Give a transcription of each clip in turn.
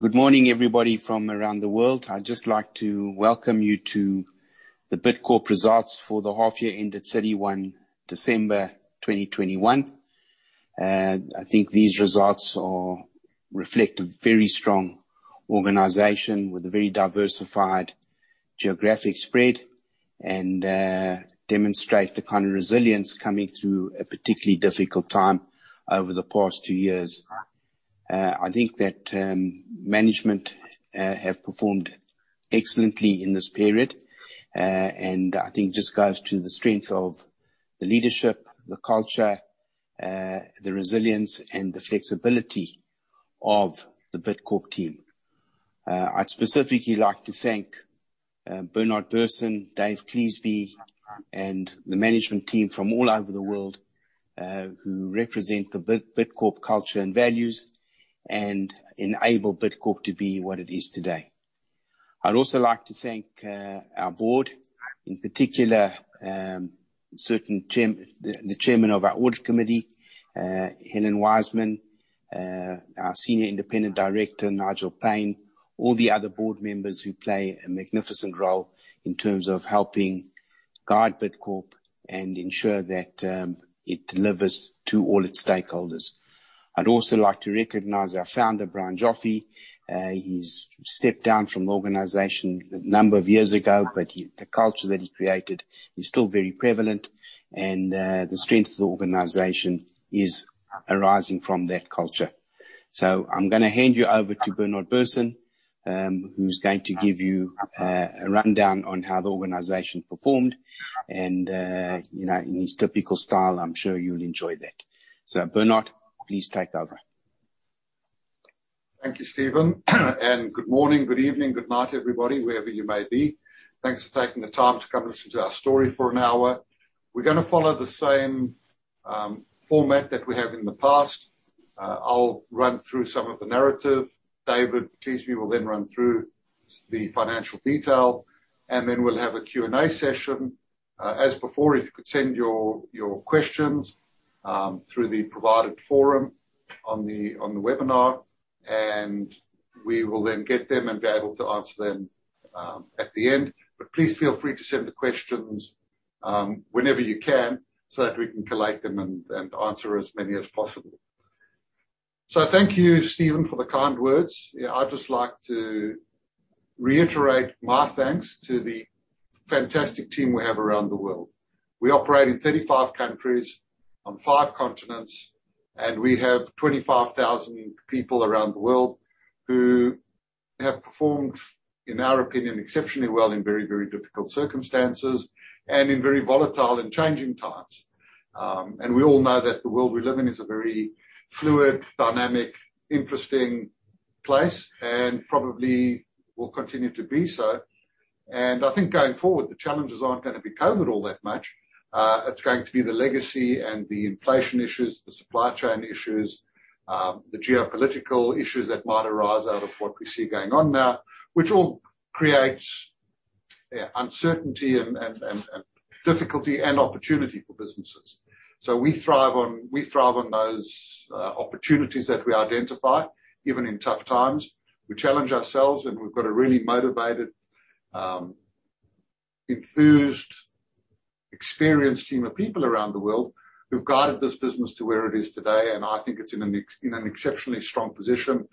Good morning, everybody from around the world. I'd just like to welcome you to the Bidcorp results for the half year ended December 31, 2021. I think these results reflect a very strong organization with a very diversified geographic spread and demonstrate the kind of resilience coming through a particularly difficult time over the past two years. I think that management have performed excellently in this period. I think it just goes to the strength of the leadership, the culture, the resilience, and the flexibility of the Bidcorp team. I'd specifically like to thank Bernard Berson, David Cleasby, and the management team from all over the world who represent the Bidcorp culture and values and enable Bidcorp to be what it is today. I'd also like to thank our board, in particular, the Chairman of our audit committee, Helen Weir, our Senior Independent Director, Nigel Payne, all the other board members who play a magnificent role in terms of helping guide Bidcorp and ensure that it delivers to all its stakeholders. I'd also like to recognize our founder, Brian Joffe. He's stepped down from the organization a number of years ago, but the culture that he created is still very prevalent and the strength of the organization is arising from that culture. I'm gonna hand you over to Bernard Berson, who's going to give you a rundown on how the organization performed and you know, in his typical style, I'm sure you'll enjoy that. Bernard, please take over. Thank you, Stephen. Good morning, good evening, good night, everybody, wherever you may be. Thanks for taking the time to come listen to our story for an hour. We're gonna follow the same format that we have in the past. I'll run through some of the narrative. David Cleasby will then run through the financial detail, and then we'll have a Q&A session. As before, if you could send your questions through the provided forum on the webinar, and we will then get them and be able to answer them at the end. Please feel free to send the questions whenever you can, so that we can collate them and answer as many as possible. Thank you, Stephen, for the kind words. Yeah, I'd just like to reiterate my thanks to the fantastic team we have around the world. We operate in 35 countries on five continents, and we have 25,000 people around the world who have performed, in our opinion, exceptionally well in very, very difficult circumstances and in very volatile and changing times. We all know that the world we live in is a very fluid, dynamic, interesting place and probably will continue to be so. I think going forward, the challenges aren't gonna be COVID all that much. It's going to be the legacy and the inflation issues, the supply chain issues, the geopolitical issues that might arise out of what we see going on now, which all creates uncertainty and difficulty and opportunity for businesses. We thrive on those opportunities that we identify, even in tough times. We challenge ourselves, and we've got a really motivated, enthused, experienced team of people around the world who've guided this business to where it is today, and I think it's in an exceptionally strong position.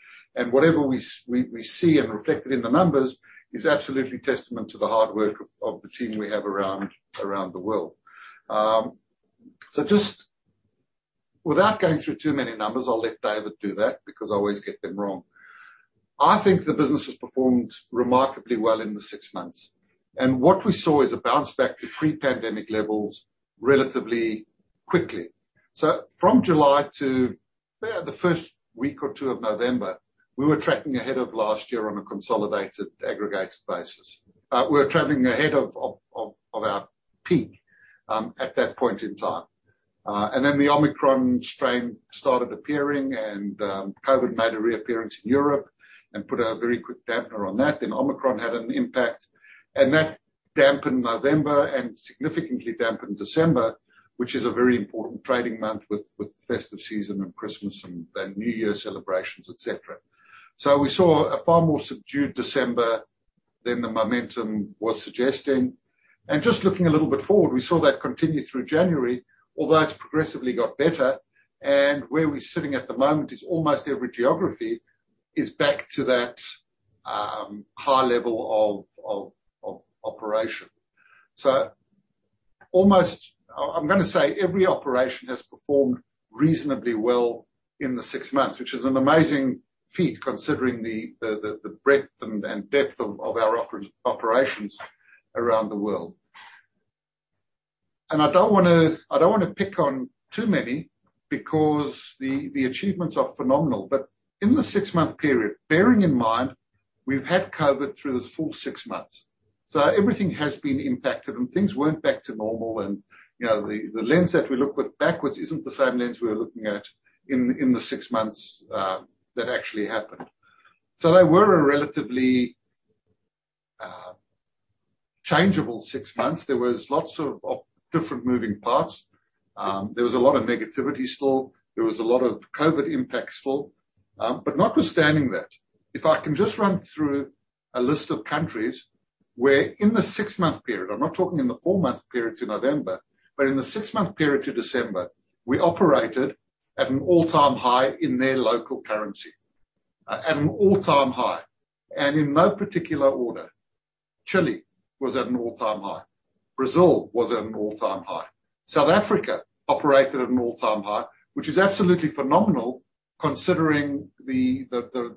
Whatever we see and reflected in the numbers is absolutely testament to the hard work of the team we have around the world. Just without going through too many numbers, I'll let David do that because I always get them wrong. I think the business has performed remarkably well in the six months, and what we saw is a bounce back to pre-pandemic levels relatively quickly. From July to the first week or two of November, we were tracking ahead of last year on a consolidated aggregate basis. We were traveling ahead of our peak at that point in time. The Omicron strain started appearing and COVID made a reappearance in Europe and put a very quick dampener on that. Omicron had an impact, and that dampened November and significantly dampened December, which is a very important trading month with the festive season and Christmas and New Year celebrations, et cetera. We saw a far more subdued December than the momentum was suggesting. Just looking a little bit forward, we saw that continue through January, although it's progressively got better. Where we're sitting at the moment is almost every geography is back to that high level of operation. I'm gonna say every operation has performed reasonably well in the six months, which is an amazing feat considering the breadth and depth of our operations around the world. I don't wanna pick on too many because the achievements are phenomenal. In the six-month period, bearing in mind we've had COVID through this full six months, so everything has been impacted and things weren't back to normal. You know, the lens that we look with backwards isn't the same lens we're looking at in the six months that actually happened. There were a relatively changeable six months. There was lots of different moving parts. There was a lot of negativity still. There was a lot of COVID impact still. Notwithstanding that, if I can just run through a list of countries where in the six-month period, I'm not talking in the four-month period to November, but in the six-month period to December, we operated at an all-time high in their local currency. At an all-time high. In no particular order, Chile was at an all-time high. Brazil was at an all-time high. South Africa operated at an all-time high, which is absolutely phenomenal considering the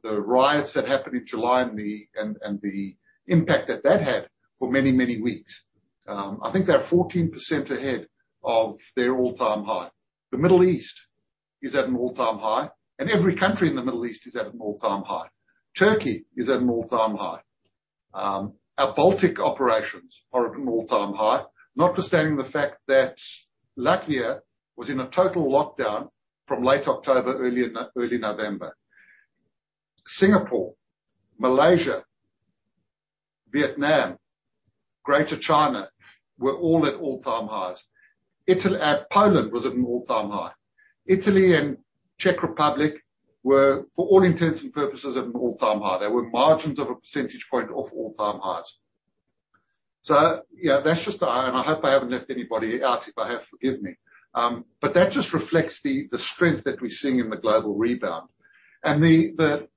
riots that happened in July and the impact that that had for many weeks. I think they are 14% ahead of their all-time high. The Middle East is at an all-time high, and every country in the Middle East is at an all-time high. Turkey is at an all-time high. Our Baltic operations are at an all-time high, notwithstanding the fact that Latvia was in a total lockdown from late October, early November. Singapore, Malaysia, Vietnam, Greater China were all at all-time highs. Poland was at an all-time high. Italy and Czech Republic were, for all intents and purposes, at an all-time high. They were a margin of a percentage point off all-time highs. You know, that's just a. I hope I haven't left anybody out. If I have, forgive me. But that just reflects the strength that we're seeing in the global rebound. And the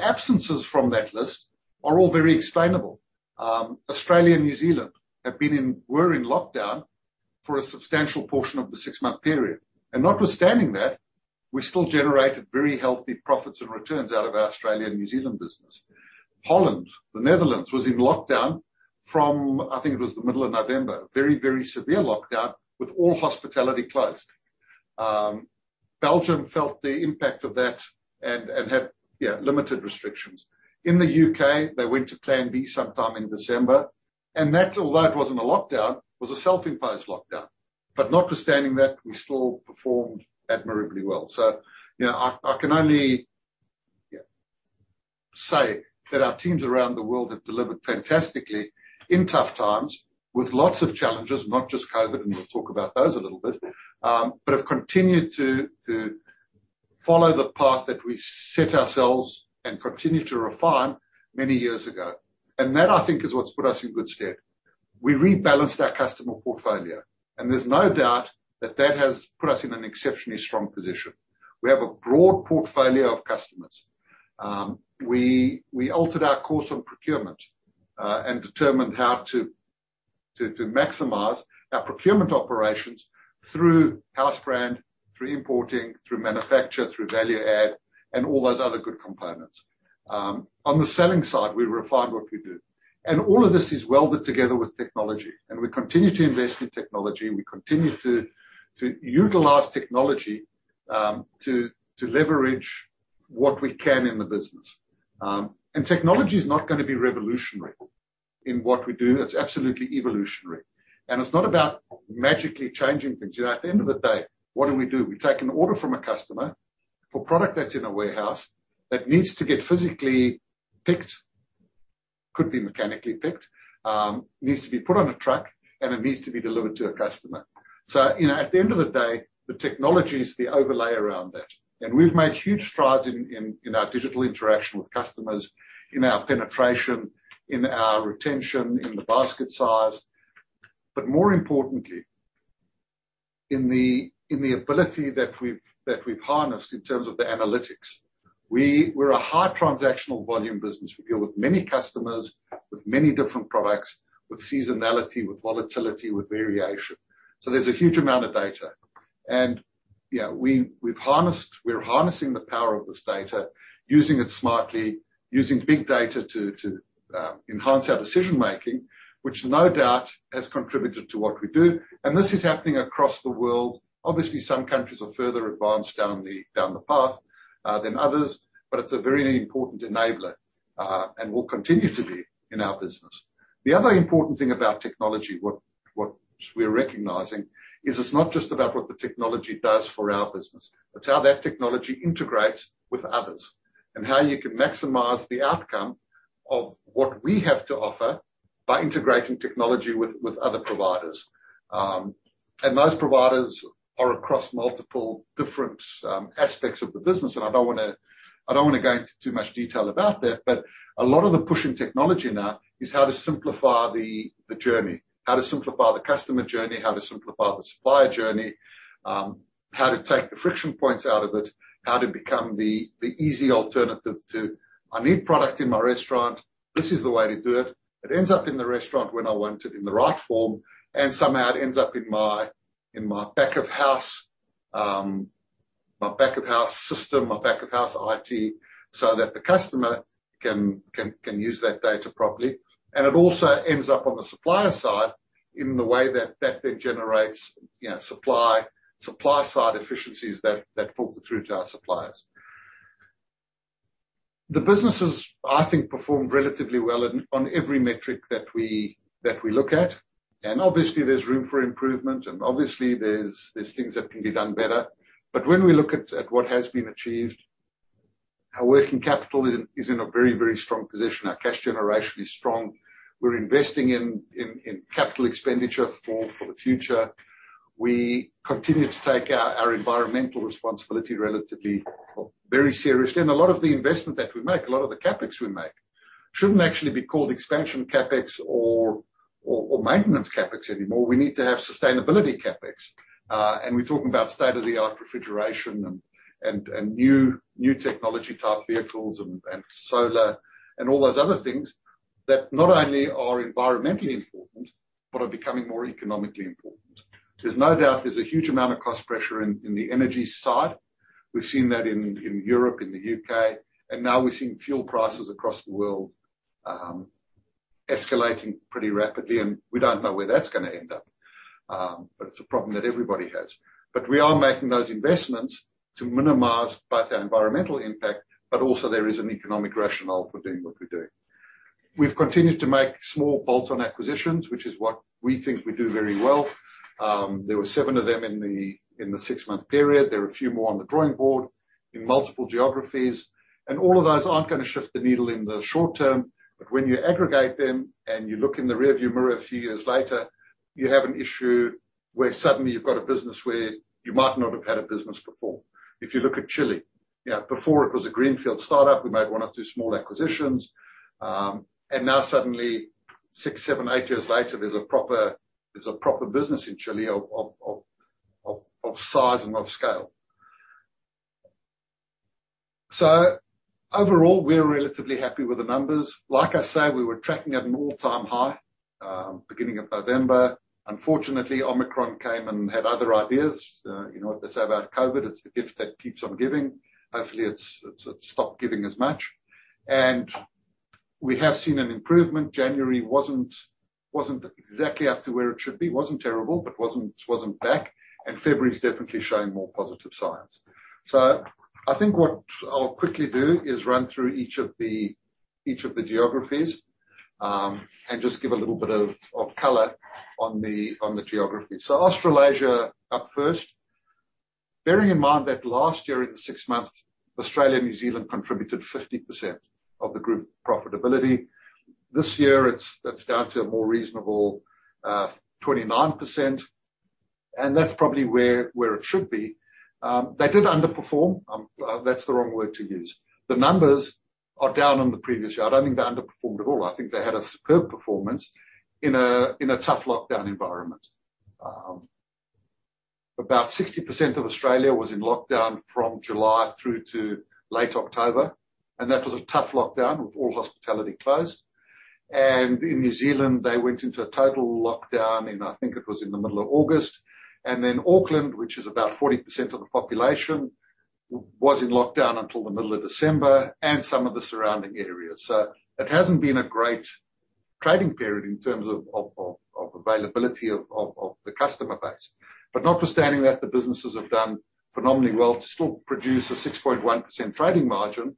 absences from that list are all very explainable. Australia and New Zealand were in lockdown for a substantial portion of the six-month period. Notwithstanding that, we still generated very healthy profits and returns out of our Australia and New Zealand business. Holland, the Netherlands, was in lockdown from, I think it was the middle of November. Very, very severe lockdown with all hospitality closed. Belgium felt the impact of that and had, you know, limited restrictions. In the U.K., they went to Plan B sometime in December, and that, although it wasn't a lockdown, was a self-imposed lockdown. Notwithstanding that, we still performed admirably well. You know, I can only say that our teams around the world have delivered fantastically in tough times with lots of challenges, not just COVID, and we'll talk about those a little bit, but have continued to follow the path that we set ourselves and continued to refine many years ago. That, I think, is what's put us in good stead. We rebalanced our customer portfolio, and there's no doubt that that has put us in an exceptionally strong position. We have a broad portfolio of customers. We altered our course on procurement and determined how to maximize our procurement operations through house brand, through importing, through manufacture, through value add, and all those other good components. On the selling side, we refined what we do. All of this is welded together with technology, and we continue to invest in technology. We continue to utilize technology to leverage what we can in the business. Technology is not gonna be revolutionary in what we do. It's absolutely evolutionary. It's not about magically changing things. You know, at the end of the day, what do we do? We take an order from a customer for product that's in a warehouse that needs to get physically picked, could be mechanically picked, needs to be put on a truck, and it needs to be delivered to a customer. You know, at the end of the day, the technology is the overlay around that. We've made huge strides in our digital interaction with customers, in our penetration, in our retention, in the basket size. More importantly, in the ability that we've harnessed in terms of the analytics. We're a high transactional volume business. We deal with many customers with many different products, with seasonality, with volatility, with variation. There's a huge amount of data. Yeah, we've harnessing the power of this data, using it smartly, using big data to enhance our decision-making, which no doubt has contributed to what we do. This is happening across the world. Obviously, some countries are further advanced down the path than others, but it's a very important enabler and will continue to be in our business. The other important thing about technology, what we're recognizing, is it's not just about what the technology does for our business. It's how that technology integrates with others and how you can maximize the outcome of what we have to offer by integrating technology with other providers. Those providers are across multiple different aspects of the business. I don't wanna go into too much detail about that, but a lot of the push in technology now is how to simplify the journey. How to simplify the customer journey, how to simplify the supplier journey, how to take the friction points out of it, how to become the easy alternative to, "I need product in my restaurant. This is the way to do it." It ends up in the restaurant when I want it in the right form, and somehow it ends up in my back of house, my back of house system, my back of house IT, so that the customer can use that data properly. It also ends up on the supplier side in the way that that then generates, you know, supply-side efficiencies that filter through to our suppliers. The business has, I think, performed relatively well on every metric that we look at. Obviously, there's room for improvement, and obviously there's things that can be done better. When we look at what has been achieved. Our working capital is in a very strong position. Our cash generation is strong. We're investing in capital expenditure for the future. We continue to take our environmental responsibility relatively very seriously. A lot of the investment that we make, a lot of the CapEx we make, shouldn't actually be called expansion CapEx or maintenance CapEx anymore. We need to have sustainability CapEx. We're talking about state-of-the-art refrigeration and new technology type vehicles and solar and all those other things that not only are environmentally important, but are becoming more economically important. There's no doubt there's a huge amount of cost pressure in the energy side. We've seen that in Europe, in the U.K. Now we're seeing fuel prices across the world escalating pretty rapidly, and we don't know where that's gonna end up. It's a problem that everybody has. We are making those investments to minimize both our environmental impact, but also there is an economic rationale for doing what we're doing. We've continued to make small bolt-on acquisitions, which is what we think we do very well. There were seven of them in the six-month period. There are a few more on the drawing board in multiple geographies. All of those aren't gonna shift the needle in the short term. When you aggregate them, and you look in the rearview mirror a few years later, you have an issue where suddenly you've got a business where you might not have had a business before. If you look at Chile, you know, before it was a greenfield start-up, we made one or two small acquisitions. Now suddenly six, seven, eight years later, there's a proper business in Chile of size and of scale. Overall, we're relatively happy with the numbers. Like I say, we were tracking at an all-time high beginning of November. Unfortunately, Omicron came and had other ideas. You know what they say about COVID. It's the gift that keeps on giving. Hopefully, it's stopped giving as much. We have seen an improvement. January wasn't exactly up to where it should be. It wasn't terrible but wasn't back. February is definitely showing more positive signs. I think what I'll quickly do is run through each of the geographies and just give a little bit of color on the geography. Australasia up first. Bearing in mind that last year in the six months, Australia, New Zealand contributed 50% of the group profitability. This year, it's down to a more reasonable 29%, and that's probably where it should be. They did underperform. That's the wrong word to use. The numbers are down on the previous year. I don't think they underperformed at all. I think they had a superb performance in a tough lockdown environment. About 60% of Australia was in lockdown from July through to late October, and that was a tough lockdown with all hospitality closed. In New Zealand, they went into a total lockdown. I think it was in the middle of August. Then Auckland, which is about 40% of the population, was in lockdown until the middle of December and some of the surrounding areas. It hasn't been a great trading period in terms of availability of the customer base. Notwithstanding that, the businesses have done phenomenally well to still produce a 6.1% trading margin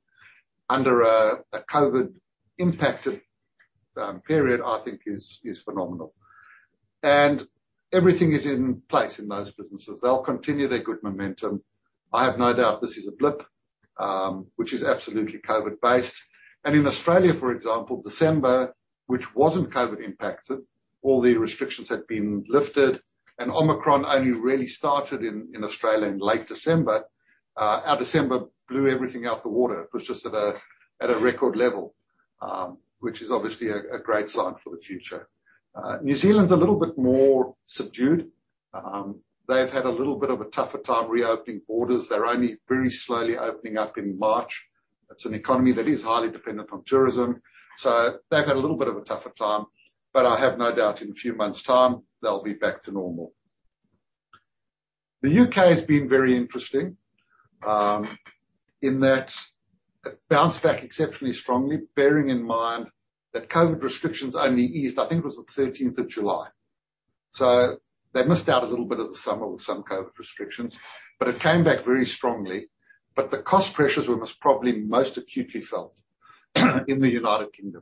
under a COVID-impacted period. I think is phenomenal. Everything is in place in those businesses. They'll continue their good momentum. I have no doubt this is a blip, which is absolutely COVID-based. In Australia, for example, December, which wasn't COVID-impacted, all the restrictions had been lifted, and Omicron only really started in Australia in late December. Our December blew everything out the water. It was just at a record level, which is obviously a great sign for the future. New Zealand's a little bit more subdued. They've had a little bit of a tougher time reopening borders. They're only very slowly opening up in March. It's an economy that is highly dependent on tourism, so they've had a little bit of a tougher time. I have no doubt in a few months' time, they'll be back to normal. The U.K. has been very interesting, in that it bounced back exceptionally strongly, bearing in mind that COVID restrictions only eased, I think it was the thirteenth of July. They missed out a little bit of the summer with some COVID restrictions, but it came back very strongly. The cost pressures were most probably most acutely felt in the U.K.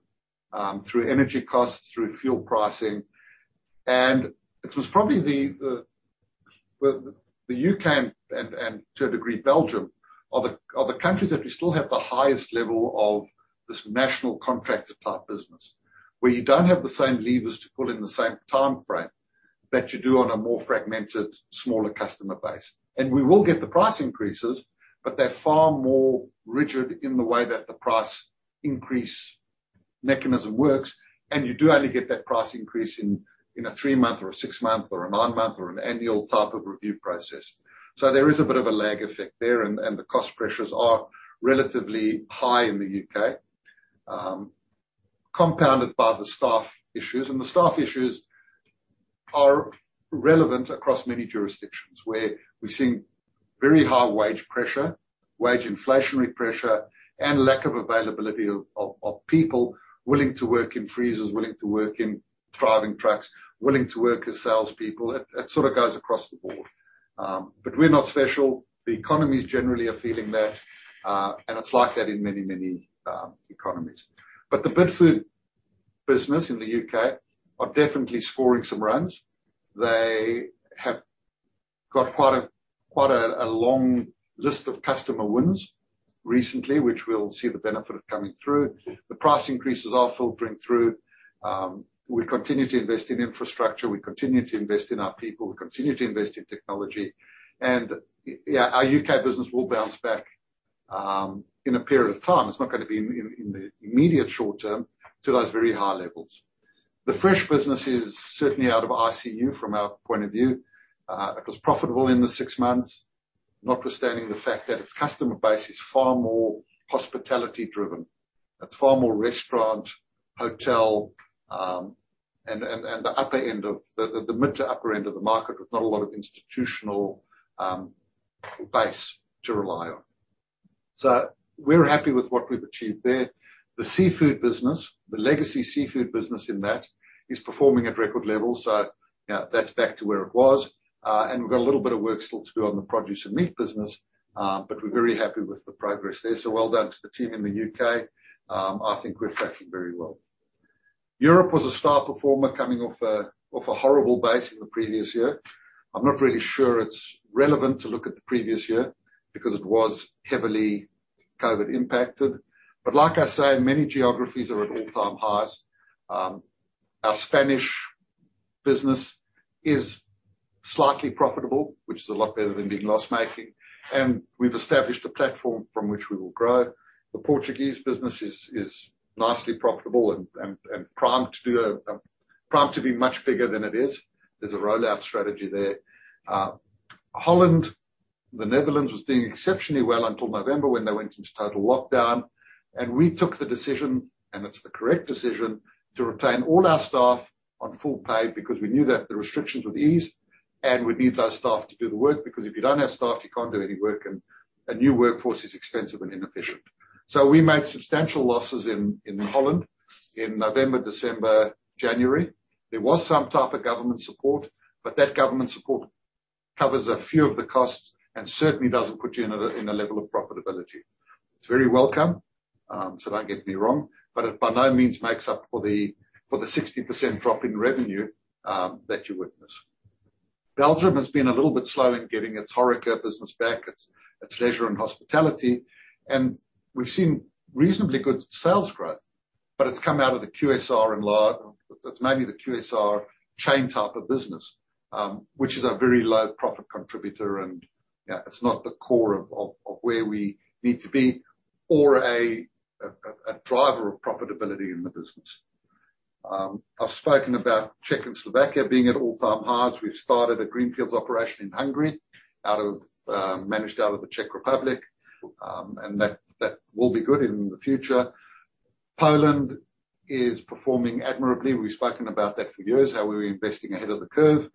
through energy costs, through fuel pricing. It was probably the U.K. and, to a degree, Belgium are the countries that we still have the highest level of this national contractor type business, where you don't have the same levers to pull in the same timeframe that you do on a more fragmented, smaller customer base. We will get the price increases, but they're far more rigid in the way that the price increase mechanism works, and you do only get that price increase in a three-month or a six-month or a nine-month or an annual type of review process. There is a bit of a lag effect there, and the cost pressures are relatively high in the U.K., compounded by the staff issues. The staff issues are relevant across many jurisdictions, where we're seeing very high wage pressure, wage inflationary pressure, and lack of availability of people willing to work in freezers, willing to work in driving trucks, willing to work as salespeople. It sorta goes across the board. We're not special. The economies generally are feeling that, and it's like that in many economies. The Bidfood business in the U.K. are definitely scoring some runs. They got quite a long list of customer wins recently, which we'll see the benefit of coming through. The price increases are filtering through. We continue to invest in infrastructure, we continue to invest in our people, we continue to invest in technology. Yeah, our U.K. business will bounce back in a period of time. It's not gonna be in the immediate short term to those very high levels. The fresh business is certainly out of ICU from our point of view. It was profitable in the six months, notwithstanding the fact that its customer base is far more hospitality driven. It's far more restaurant, hotel, and the upper end of the mid to upper end of the market with not a lot of institutional base to rely on. We're happy with what we've achieved there. The seafood business, the legacy seafood business in that, is performing at record levels. You know, that's back to where it was. We've got a little bit of work still to do on the produce and meat business, but we're very happy with the progress there. Well done to the team in the U.K. I think we're tracking very well. Europe was a star performer coming off a horrible base in the previous year. I'm not really sure it's relevant to look at the previous year because it was heavily COVID impacted. Like I say, many geographies are at all-time highs. Our Spanish business is slightly profitable, which is a lot better than being loss-making, and we've established a platform from which we will grow. The Portuguese business is nicely profitable and primed to be much bigger than it is. There's a rollout strategy there. Holland, the Netherlands, was doing exceptionally well until November when they went into total lockdown, and we took the decision, and it's the correct decision, to retain all our staff on full pay because we knew that the restrictions would ease and we'd need those staff to do the work. Because if you don't have staff, you can't do any work, and a new workforce is expensive and inefficient. We made substantial losses in Holland in November, December, January. There was some type of government support, but that government support covers a few of the costs and certainly doesn't put you in a level of profitability. It's very welcome, so don't get me wrong, but it by no means makes up for the 60% drop in revenue that you witness. Belgium has been a little bit slow in getting its HoReCa business back, its leisure and hospitality, and we've seen reasonably good sales growth. It's come out of the QSR and it's mainly the QSR chain type of business, which is a very low profit contributor and, you know, it's not the core of where we need to be or a driver of profitability in the business. I've spoken about Czech and Slovakia being at all-time highs. We've started a greenfields operation in Hungary out of managed out of the Czech Republic, and that will be good in the future. Poland is performing admirably. We've spoken about that for years, how we were investing ahead of the curve.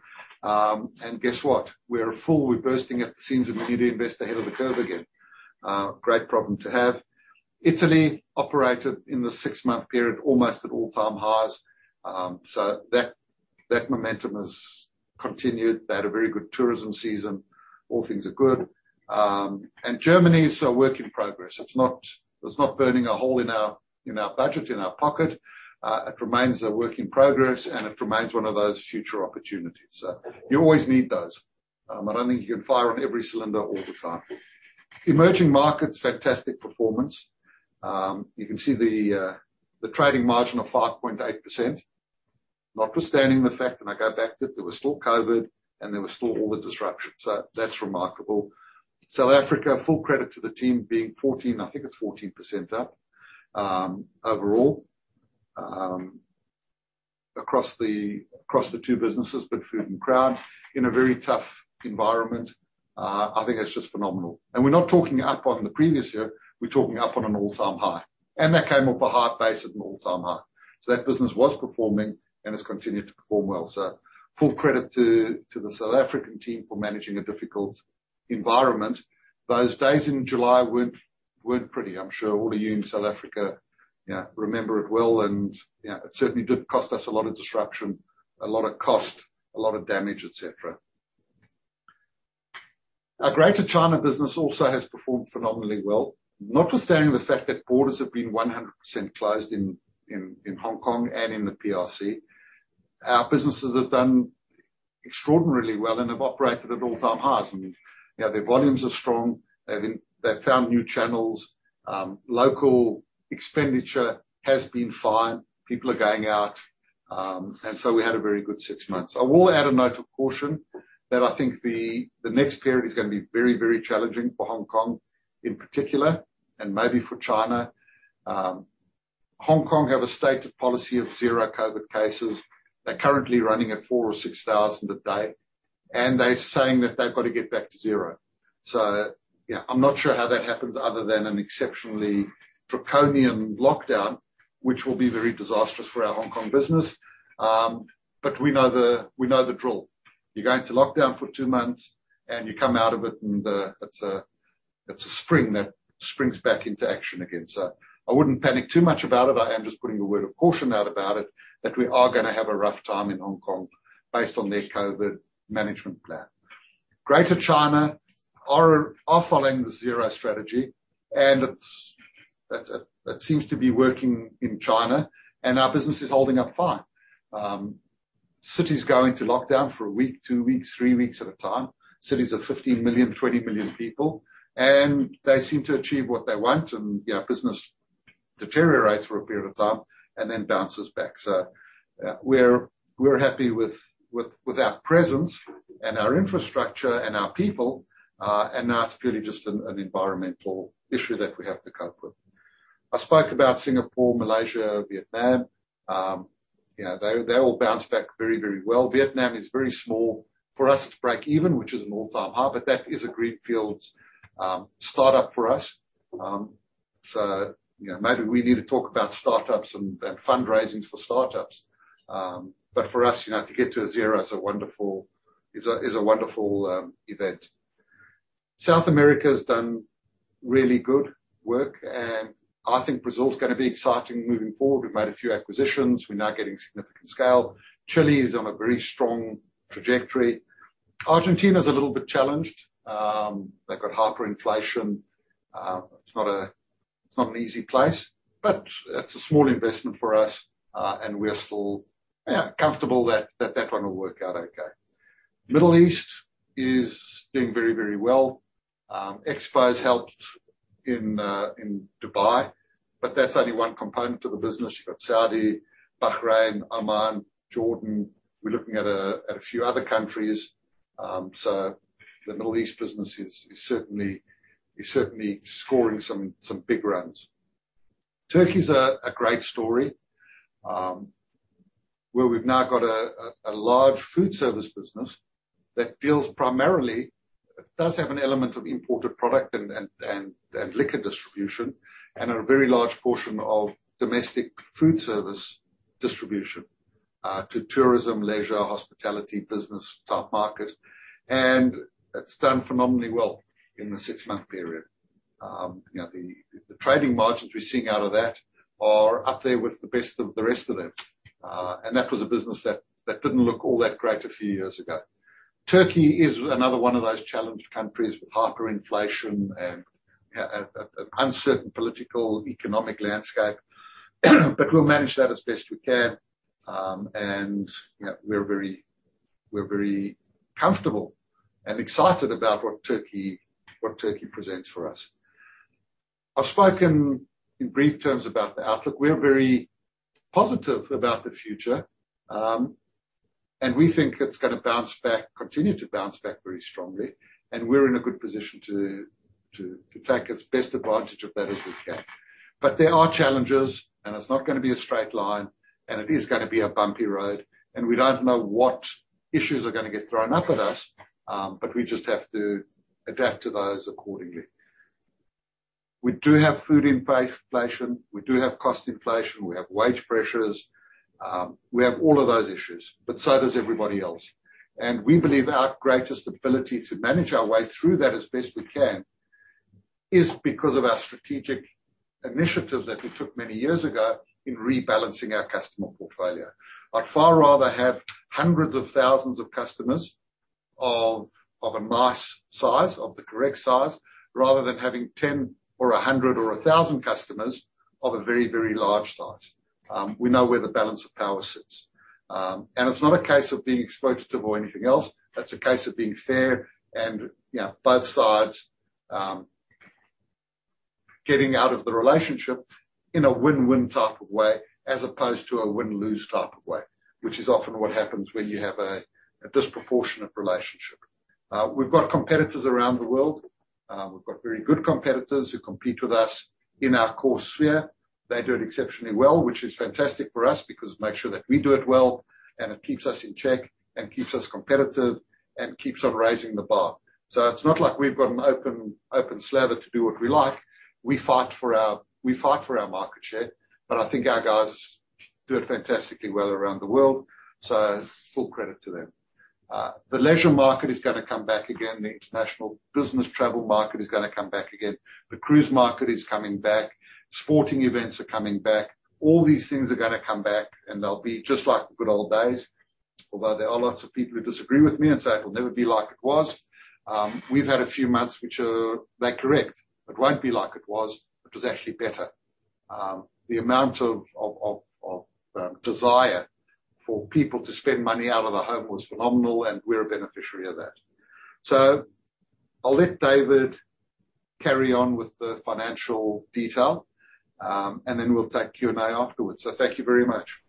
Guess what? We are full. We're bursting at the seams, and we need to invest ahead of the curve again. Great problem to have. Italy operated in the six-month period almost at all-time highs, so that momentum has continued. They had a very good tourism season. All things are good. Germany is a work in progress. It's not burning a hole in our budget, in our pocket. It remains a work in progress, and it remains one of those future opportunities. You always need those. I don't think you can fire on every cylinder all the time. Emerging markets, fantastic performance. You can see the trading margin of 5.8%, notwithstanding the fact, and I go back to it, there was still COVID, and there was still all the disruption. That's remarkable. South Africa, full credit to the team being 14... I think it's 14% up, overall, across the two businesses, Bidfood and Crown, in a very tough environment. I think that's just phenomenal. We're not talking up on the previous year; we're talking up on an all-time high. That came off a high base at an all-time high. That business was performing and has continued to perform well. Full credit to the South African team for managing a difficult environment. Those days in July weren't pretty. I'm sure all of you in South Africa, you know, remember it well and, you know, it certainly did cost us a lot of disruption, a lot of cost, a lot of damage, et cetera. Our Greater China business also has performed phenomenally well, notwithstanding the fact that borders have been 100% closed in Hong Kong and in the PRC. Our businesses have done extraordinarily well and have operated at all-time highs. You know, their volumes are strong. They've found new channels. Local expenditure has been fine. People are going out. We had a very good six months. I will add a note of caution that I think the next period is gonna be very, very challenging for Hong Kong in particular, and maybe for China. Hong Kong have a stated policy of zero COVID cases. They're currently running at 4,000 or 6,000 a day, and they're saying that they've got to get back to zero. You know, I'm not sure how that happens other than an exceptionally draconian lockdown, which will be very disastrous for our Hong Kong business. We know the drill. You go into lockdown for two months, and you come out of it and it's a spring that springs back into action again. I wouldn't panic too much about it. I am just putting a word of caution out about it that we are gonna have a rough time in Hong Kong based on their COVID management plan. Greater China are following the zero strategy, and that seems to be working in China, and our business is holding up fine. Cities go into lockdown for a week, two weeks, three weeks at a time. Cities of 15 million, 20 million people. They seem to achieve what they want and, you know, business deteriorates for a period of time and then bounces back. We're happy with our presence and our infrastructure and our people, and now it's purely just an environmental issue that we have to cope with. I spoke about Singapore, Malaysia, Vietnam. You know, they all bounce back very well. Vietnam is very small. For us, it's break even, which is an all-time high, but that is a greenfield start-up for us. You know, maybe we need to talk about start-ups and fundraisings for start-ups. But for us, you know, to get to a zero is a wonderful event. South America has done really good work, and I think Brazil is gonna be exciting moving forward. We've made a few acquisitions. We're now getting significant scale. Chile is on a very strong trajectory. Argentina is a little bit challenged. They've got hyperinflation. It's not an easy place, but it's a small investment for us, and we're still comfortable that one will work out okay. Middle East is doing very, very well. Expo's helped in Dubai, but that's only one component of the business. You've got Saudi, Bahrain, Oman, Jordan. We're looking at a few other countries. The Middle East business is certainly scoring some big runs. Turkey's a great story, where we've now got a large food service business that deals primarily... It does have an element of imported product and liquor distribution, and a very large portion of domestic foodservice distribution to tourism, leisure, hospitality, business type market. It's done phenomenally well in the six-month period. You know, the trading margins we're seeing out of that are up there with the best of the rest of them. That was a business that didn't look all that great a few years ago. Turkey is another one of those challenged countries with hyperinflation and an uncertain political, economic landscape, but we'll manage that as best we can. You know, we're very comfortable and excited about what Turkey presents for us. I've spoken in brief terms about the outlook. We're very positive about the future, and we think it's gonna bounce back, continue to bounce back very strongly. We're in a good position to take as best advantage of that as we can. There are challenges, and it's not gonna be a straight line, and it is gonna be a bumpy road. We don't know what issues are gonna get thrown up at us, but we just have to adapt to those accordingly. We do have food inflation, we do have cost inflation, we have wage pressures, we have all of those issues, but so does everybody else. We believe our greatest ability to manage our way through that as best we can is because of our strategic initiatives that we took many years ago in rebalancing our customer portfolio. I'd far rather have hundreds of thousands of customers of a nice size, of the correct size, rather than having 10 or 100 or 1,000 customers of a very, very large size. We know where the balance of power sits. It's not a case of being exploitative or anything else. It's a case of being fair and, you know, both sides getting out of the relationship in a win-win type of way as opposed to a win-lose type of way, which is often what happens when you have a disproportionate relationship. We've got competitors around the world. We've got very good competitors who compete with us in our core sphere. They do it exceptionally well, which is fantastic for us because it makes sure that we do it well, and it keeps us in check and keeps us competitive and keeps on raising the bar. It's not like we've got an open slather to do what we like. We fight for our market share, but I think our guys do it fantastically well around the world, so full credit to them. The leisure market is gonna come back again. The international business travel market is gonna come back again. The cruise market is coming back. Sporting events are coming back. All these things are gonna come back, and they'll be just like the good old days. Although there are lots of people who disagree with me and say it will never be like it was. We've had a few months which are... They're correct. It won't be like it was. It was actually better. The amount of desire for people to spend money out of the home was phenomenal, and we're a beneficiary of that. I'll let David carry on with the financial detail, and then we'll take Q&A afterwards. Thank you very much.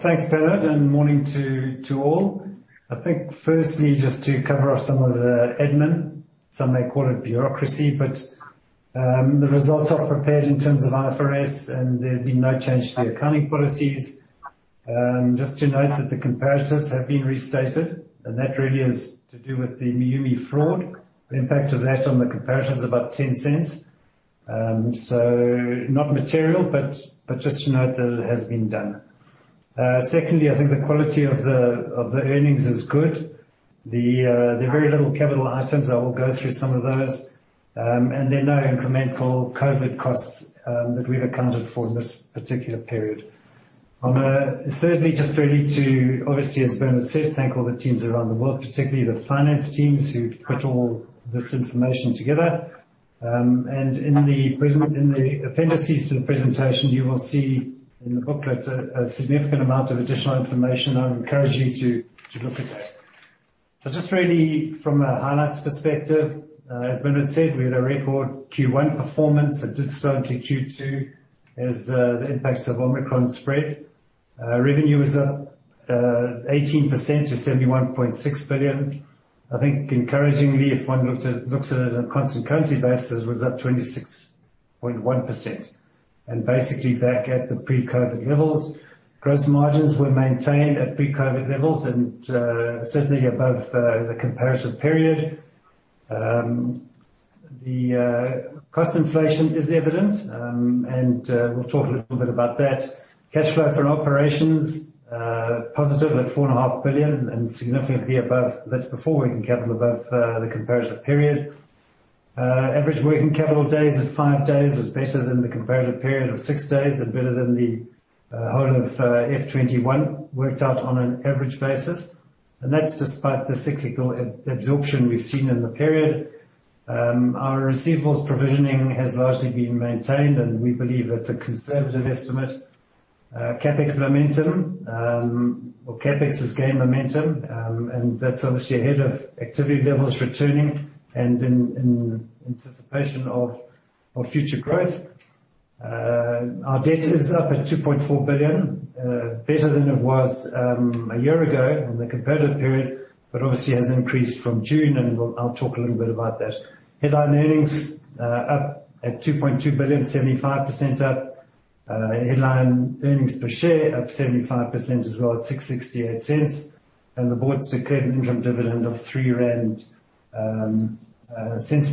Thanks, Bernard, and morning to all. I think firstly, just to cover off some of the admin, some may call it bureaucracy, but the results are prepared in terms of IFRS, and there's been no change to the accounting policies. Just to note that the comparatives have been restated, and that really is to do with the Miumi fraud. The impact of that on the comparison is about 0.10. So, not material, but just to note that it has been done. Secondly, I think the quality of the earnings is good. There are very little capital items. I will go through some of those. There are no incremental COVID costs that we've accounted for in this particular period. I'm certainly just ready to obviously, as Bernard said, thank all the teams around the world, particularly the finance teams who've put all this information together. In the appendices to the presentation, you will see in the booklet a significant amount of additional information. I would encourage you to look at that. Just really from a highlights perspective, as Bernard said, we had a record Q1 performance that decelerated Q2 as the impacts of Omicron spread. Revenue was up 18% to 71.6 billion. I think encouragingly, if one looks at it on a constant currency basis, was up 26.1%, and basically back at the pre-COVID levels. Gross margins were maintained at pre-COVID levels and certainly above the comparative period. The cost inflation is evident, and we'll talk a little bit about that. Cash flow from operations positive at 4.5 billion and significantly above. That's before working capital above the comparative period. Average working capital days at five days was better than the comparative period of six days and better than the whole of FY 2021, worked out on an average basis. That's despite the cyclical absorption we've seen in the period. Our receivables provisioning has largely been maintained, and we believe that's a conservative estimate. CapEx has gained momentum, and that's obviously ahead of activity levels returning and in anticipation of future growth. Our debt is up at 2.4 billion, better than it was a year ago in the comparative period, but obviously has increased from June, and I'll talk a little bit about that. Headline earnings up at 2.2 billion, 75% up. Headline earnings per share up 75% as well at ZAR 6.68. The board's declared an interim dividend of 0.03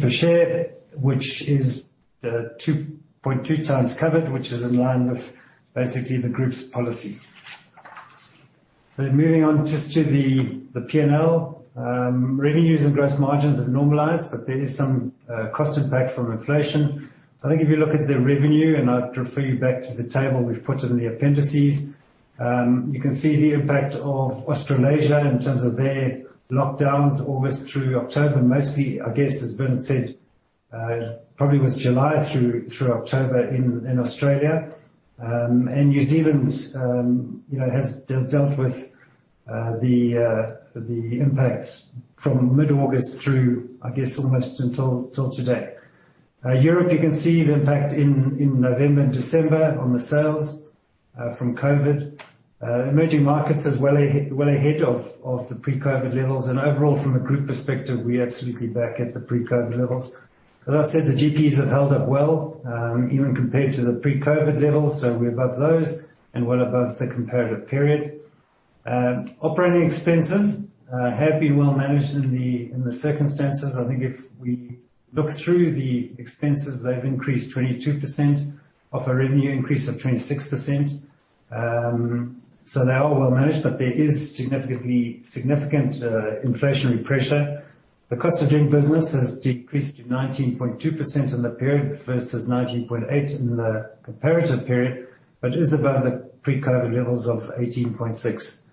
per share, which is 2.2 times covered, which is in line with basically the group's policy. Moving on just to the P&L. Revenues and gross margins have normalized, but there is some cost impact from inflation. I think if you look at the revenue, and I'd refer you back to the table we've put in the appendices, you can see the impact of Australasia in terms of their lockdowns, August through October, mostly, I guess, as Bernard said. Probably was July through October in Australia. New Zealand, you know, has dealt with the impacts from mid-August through, I guess, almost until today. Europe, you can see the impact in November and December on the sales from COVID. Emerging markets as well, well ahead of the pre-COVID levels. Overall, from a group perspective, we're absolutely back at the pre-COVID levels. As I said, the GPs have held up well, even compared to the pre-COVID levels, so we're above those and well above the comparative period. Operating expenses have been well managed in the circumstances. I think if we look through the expenses, they've increased 22% off a revenue increase of 26%. They are well managed, but there is significant inflationary pressure. The cost of doing business has decreased to 19.2% in the period versus 19.8% in the comparative period but is above the pre-COVID levels of 18.6%.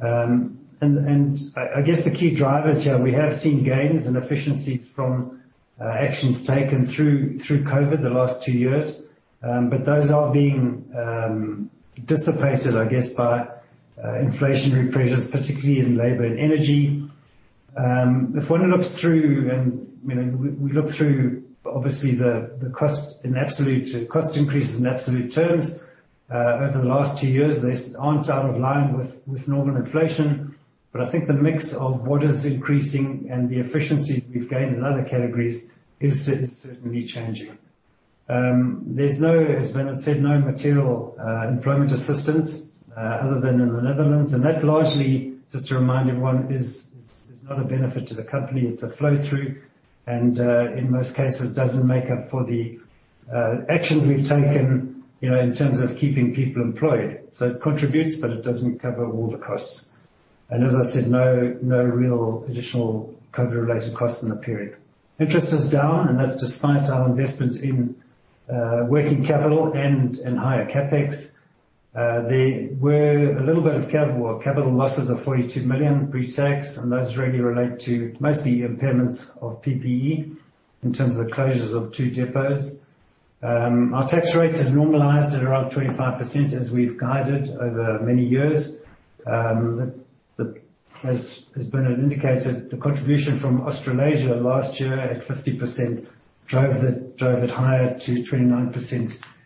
I guess the key drivers here, we have seen gains and efficiencies from actions taken through COVID the last two years. Those are being dissipated, I guess, by inflationary pressures, particularly in labor and energy. If one looks through and, you know, we look through obviously the cost in absolute. Cost increases in absolute terms over the last two years, they aren't out of line with normal inflation. I think the mix of what is increasing and the efficiencies we've gained in other categories is certainly changing. There's no, as Bernard said, no material employment assistance other than in the Netherlands. That largely, just to remind everyone, is not a benefit to the company. It's a flow-through and in most cases, doesn't make up for the actions we've taken, you know, in terms of keeping people employed. It contributes, but it doesn't cover all the costs. As I said, no real additional COVID-related costs in the period. Interest is down, and that's despite our investment in working capital and in higher CapEx. There were a little bit of capital losses of 42 million pre-tax, and those really relate to mostly impairments of PPE in terms of the closures of two depots. Our tax rate has normalized at around 25% as we've guided over many years. As Bernard indicated, the contribution from Australasia last year at 50% drove it higher to 29%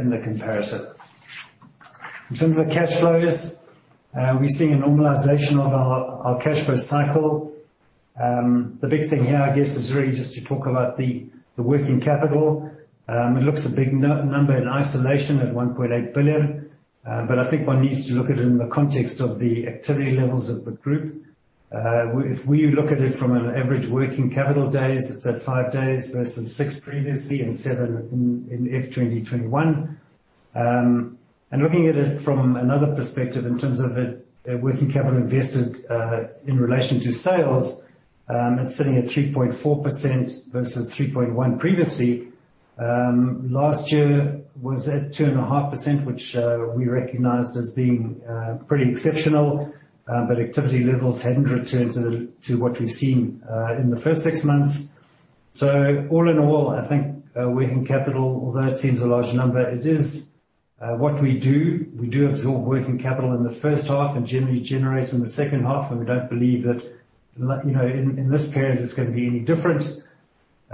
in the comparison. In terms of the cash flows, we're seeing a normalization of our cash flow cycle. The big thing here, I guess, is really just to talk about the working capital. It looks a big number in isolation at 1.8 billion. But I think one needs to look at it in the context of the activity levels of the group. If we look at it from an average working capital days, it's at five days versus six previously and seven in FY 2021. Looking at it from another perspective, in terms of the working capital invested in relation to sales, it's sitting at 3.4% versus 3.1% previously. Last year was at 2.5%, which we recognized as being pretty exceptional. Activity levels hadn't returned to what we've seen in the first six months. All in all, I think working capital, although it seems a large number, it is what we do. We do absorb working capital in the first half and generally generate in the second half, and we don't believe that, you know, in this period it's gonna be any different.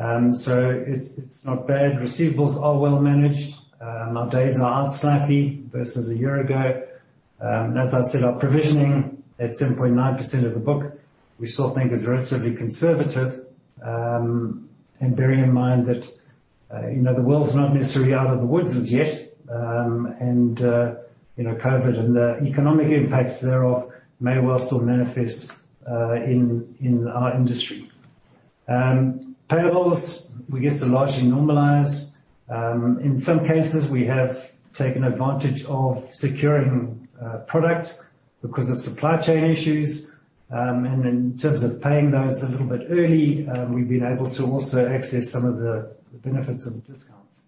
It's not bad. Receivables are well-managed. Our days are out slightly versus a year ago. As I said, our provisioning at 7.9% of the book, we still think is relatively conservative. Bearing in mind that, you know, the world's not necessarily out of the woods as yet. You know, COVID and the economic impacts thereof may well still manifest in our industry. Payables, we guess they're largely normalized. In some cases, we have taken advantage of securing product because of supply chain issues. In terms of paying those a little bit early, we've been able to also access some of the benefits of the discounts.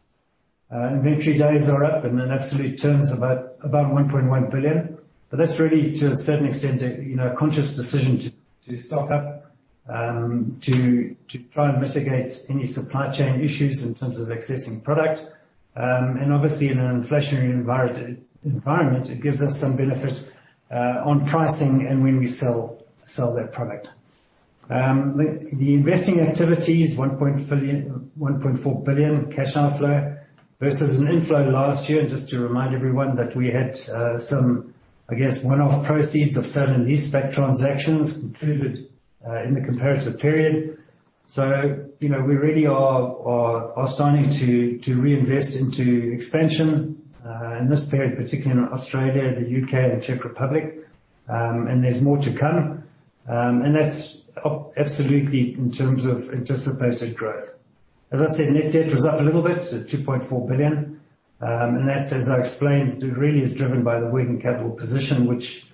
Inventory days are up in absolute terms about 1.1 billion. That's really to a certain extent, you know, a conscious decision to stock up to try and mitigate any supply chain issues in terms of accessing product. Obviously in an inflationary environment, it gives us some benefit on pricing and when we sell that product. The investing activity is 1.4 billion cash outflow versus an inflow last year. Just to remind everyone that we had some, I guess, one-off proceeds of sale in these spec transactions included in the comparative period. You know, we really are starting to reinvest into expansion in this period, particularly in Australia, the U.K., and Czech Republic. There's more to come. That's absolutely in terms of anticipated growth. As I said, net debt was up a little bit to 2.4 billion. That's as I explained, it really is driven by the working capital position, which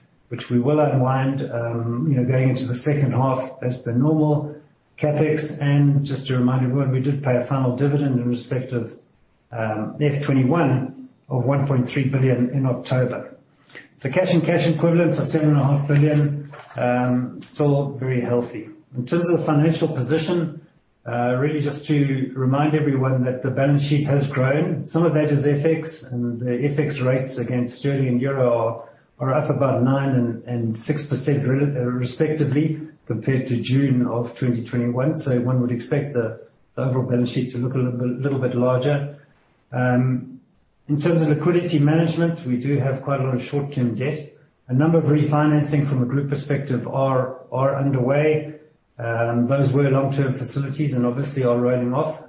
we will unwind going into the second half as the normal CapEx. Just a reminder, where we did pay a final dividend in respect of FY 2021 of 1.3 billion in October. Cash and cash equivalents of 7.5 billion still very healthy. In terms of financial position, really just to remind everyone that the balance sheet has grown. Some of that is FX, and the FX rates against sterling and euro are up about 9% and 6% respectively compared to June 2021. One would expect the overall balance sheet to look a little bit larger. In terms of liquidity management, we do have quite a lot of short-term debt. A number of refinancing from a group perspective are underway. Those were long-term facilities and obviously are rolling off.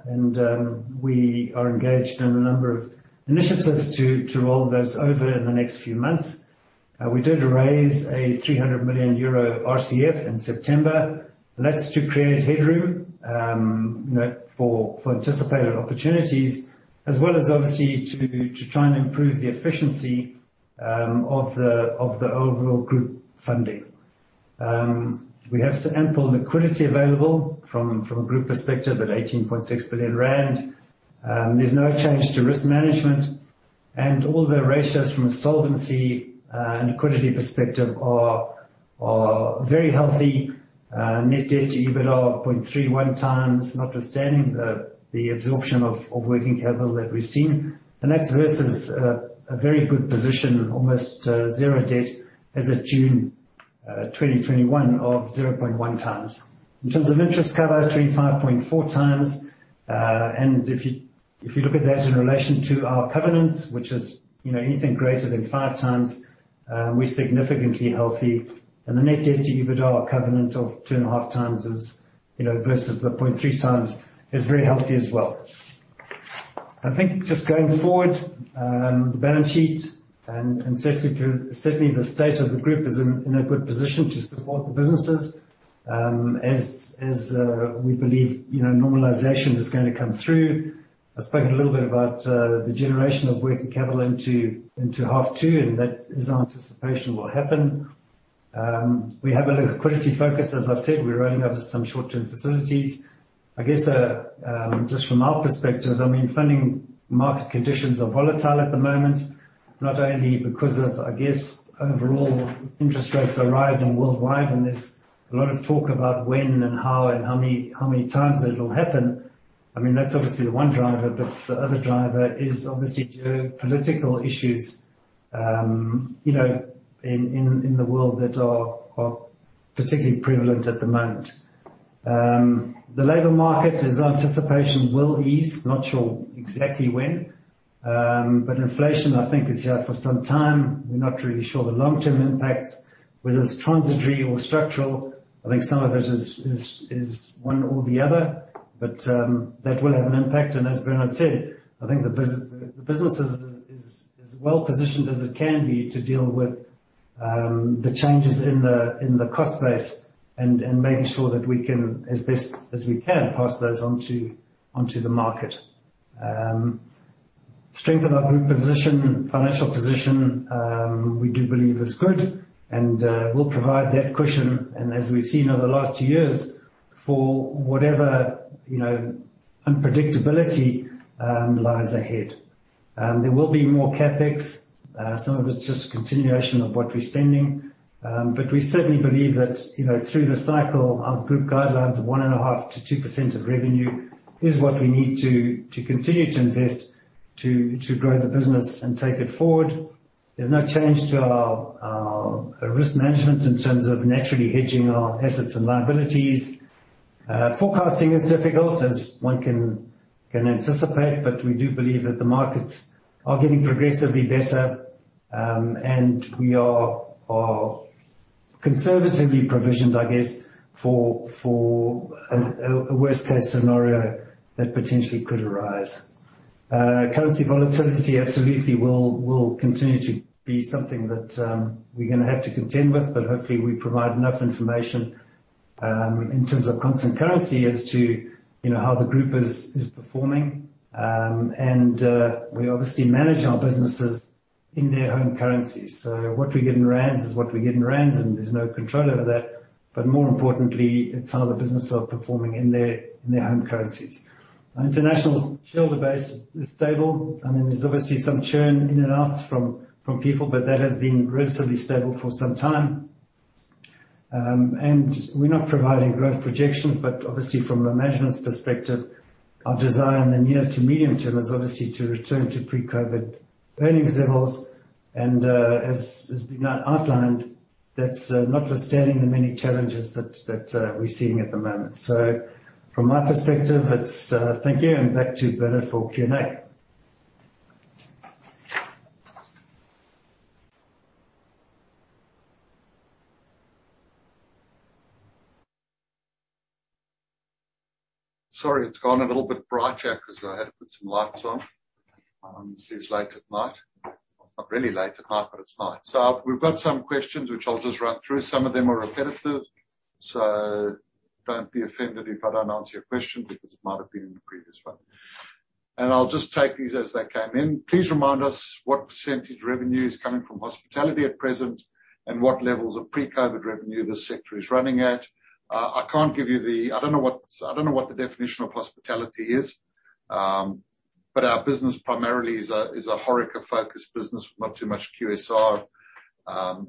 We are engaged in a number of initiatives to roll those over in the next few months. We did raise a 300 million euro RCF in September. That's to create headroom, you know, for anticipated opportunities, as well as obviously to try and improve the efficiency of the overall group funding. We have some ample liquidity available from a group perspective at 18.6 billion rand. There's no change to risk management. All the ratios from a solvency and liquidity perspective are very healthy. Net debt to EBITA of 0.31 times, notwithstanding the absorption of working capital that we've seen. That's versus a very good position, almost zero debt as of June 2021 of 0.1 times. In terms of interest cover, 25.4 times. If you look at that in relation to our covenants, which is you know anything greater than 5 times, we're significantly healthy. The net debt to EBITA covenant of 2.5 times is you know versus the 0.3 times, is very healthy as well. I think just going forward, the balance sheet and certainly the state of the group is in a good position to support the businesses, as we believe you know normalization is gonna come through. I spoke a little bit about the generation of working capital into half two, and that is our anticipation what will happen. We have a liquidity focus. As I've said, we're rolling over some short-term facilities. I guess just from our perspective, I mean, funding market conditions are volatile at the moment, not only because of, I guess, overall interest rates are rising worldwide, and there's a lot of talk about when and how and how many times it'll happen. I mean, that's obviously the one driver, but the other driver is obviously geopolitical issues, you know, in the world that are particularly prevalent at the moment. The labor market is our anticipation will ease. Not sure exactly when. Inflation I think is here for some time. We're not really sure the long-term impacts, whether it's transitory or structural. I think some of it is one or the other. That will have an impact. As Bernard said, I think the business is as well positioned as it can be to deal with the changes in the cost base and making sure that we can, as best as we can, pass those onto the market to strengthen our group's financial position. We do believe is good and will provide that cushion, and as we've seen over the last two years, for whatever, you know, unpredictability lies ahead. There will be more CapEx. Some of it's just continuation of what we're spending. We certainly believe that, you know, through the cycle, our group guidelines of 1.5%-2% of revenue is what we need to continue to invest to grow the business and take it forward. There's no change to our risk management in terms of naturally hedging our assets and liabilities. Forecasting is difficult as one can anticipate, but we do believe that the markets are getting progressively better, and we are conservatively provisioned, I guess, for a worst-case scenario that potentially could arise. Currency volatility absolutely will continue to be something that we're gonna have to contend with, but hopefully we provide enough information in terms of constant currency as to, you know, how the group is performing. We obviously manage our businesses in their home currencies. What we get in rand is what we get in rand, and there's no control over that. More importantly, it's how the businesses are performing in their home currencies. Our international shareholder base is stable. I mean, there's obviously some churn in and outs from people, but that has been relatively stable for some time. We're not providing growth projections, but obviously from a management's perspective, our desire in the near to medium term is obviously to return to pre-COVID earnings levels and, as we've now outlined, that's notwithstanding the many challenges that we're seeing at the moment. From my perspective, it's. Thank you, and back to Bernard for Q&A. Sorry, it's gone a little bit brighter cause I had to put some lights on, since late at night. Not really late at night, but it's night. We've got some questions which I'll just run through. Some of them are repetitive, so don't be offended if I don't answer your question because it might have been in the previous one. I'll just take these as they came in. Please remind us what percentage revenue is coming from hospitality at present and what levels of pre-COVID revenue this sector is running at. I don't know what the definition of hospitality is. But our business primarily is a HoReCa-focused business, not too much QSR,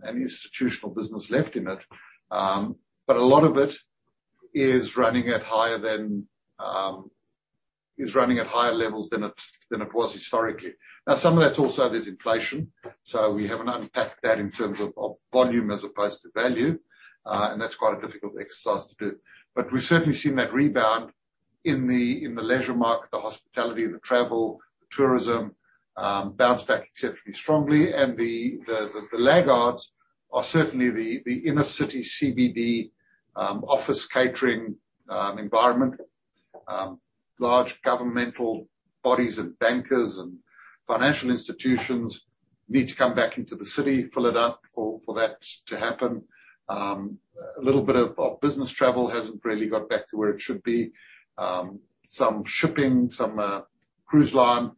any institutional business left in it. But a lot of it is running at higher than is running at higher levels than it was historically. Some of that's also there's inflation, so we haven't unpacked that in terms of volume as opposed to value, and that's quite a difficult exercise to do. We've certainly seen that rebound in the leisure market, the hospitality, the travel, the tourism bounce back exceptionally strongly. The laggards are certainly the inner-city CBD office catering environment. Large governmental bodies of bankers and financial institutions need to come back into the city, fill it up for that to happen. A little bit of business travel hasn't really got back to where it should be. Some shipping, some cruise line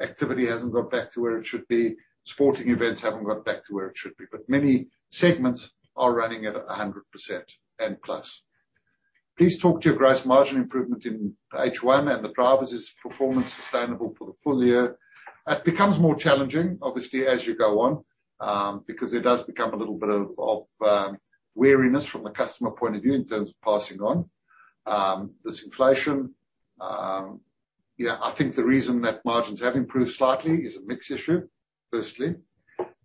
activity hasn't got back to where it should be. Sporting events haven't got back to where it should be. Many segments are running at 100% and plus. Please talk to your gross margin improvement in H1, and the drivers. Is performance sustainable for the full year? It becomes more challenging, obviously, as you go on, because there does become a little bit of wariness from the customer point of view in terms of passing on this inflation. Yeah, I think the reason that margins have improved slightly is a mix issue, firstly.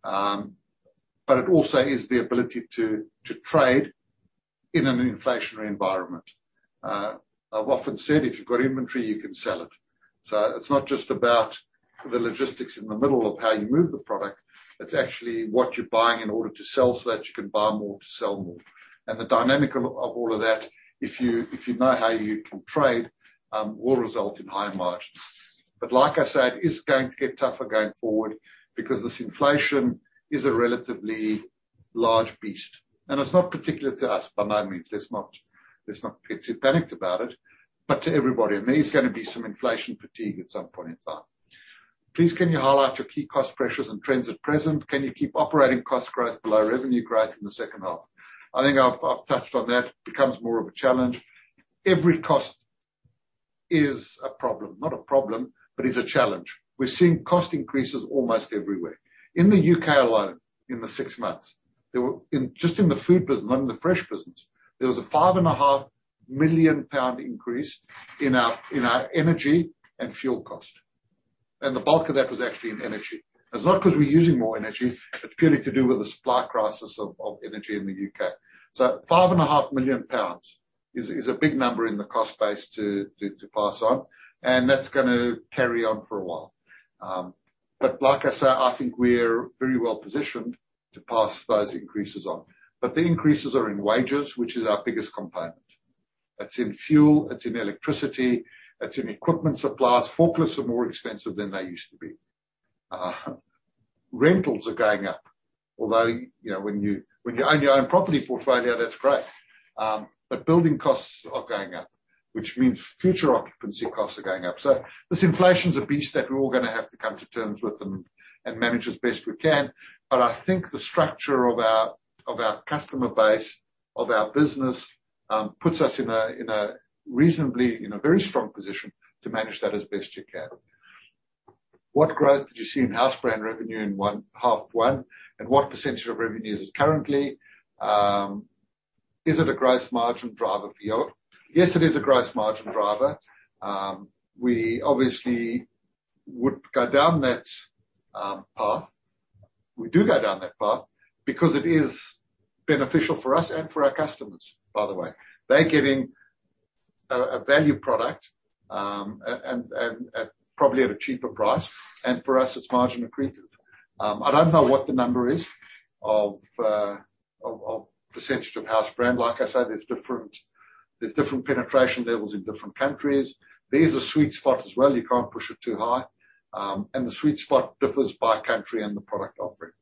It also is the ability to trade in an inflationary environment. I've often said, if you've got inventory, you can sell it. It's not just about the logistics in the middle of how you move the product, it's actually what you're buying in order to sell so that you can buy more to sell more. The dynamic of all of that, if you know how you can trade, will result in high margins. Like I said, it's going to get tougher going forward because this inflation is a relatively large beast. It's not particular to us by any means. Let's not get too panicked about it, but to everybody. There's gonna be some inflation fatigue at some point in time. Please, can you highlight your key cost pressures and trends at present? Can you keep operating cost growth below revenue growth in the second half? I think I've touched on that. It becomes more of a challenge. Every cost is a problem, not a problem, but a challenge. We're seeing cost increases almost everywhere. In the U.K. alone, in the six months, there were... Just in the food business, not in the fresh business, there was a 5.5 million pound increase in our energy and fuel cost, and the bulk of that was actually in energy. It's not 'cause we're using more energy, it's purely to do with the supply crisis of energy in the U.K. Five and a half million pounds is a big number in the cost base to pass on, and that's gonna carry on for a while. Like I said, I think we're very well positioned to pass those increases on. The increases are in wages, which is our biggest component. It's in fuel, it's in electricity, it's in equipment supplies. Forklifts are more expensive than they used to be. Rentals are going up. Although when you own your own property portfolio, that's great. Building costs are going up, which means future occupancy costs are going up. This inflation's a beast that we're all gonna have to come to terms with and manage as best we can. I think the structure of our customer base, of our business puts us in a very strong position to manage that as best you can. What growth did you see in house brand revenue in half one, and what percentage of revenue is it currently? Is it a gross margin driver for you? Yes, it is a gross margin driver. We obviously would go down that path. We do go down that path because it is beneficial for us and for our customers, by the way. They're getting a value product and probably at a cheaper price. For us, it's margin accretive. I don't know what the number is of percentage of house brand. Like I say, there's different penetration levels in different countries. There's a sweet spot as well. You can't push it too high. The sweet spot differs by country and the product offering.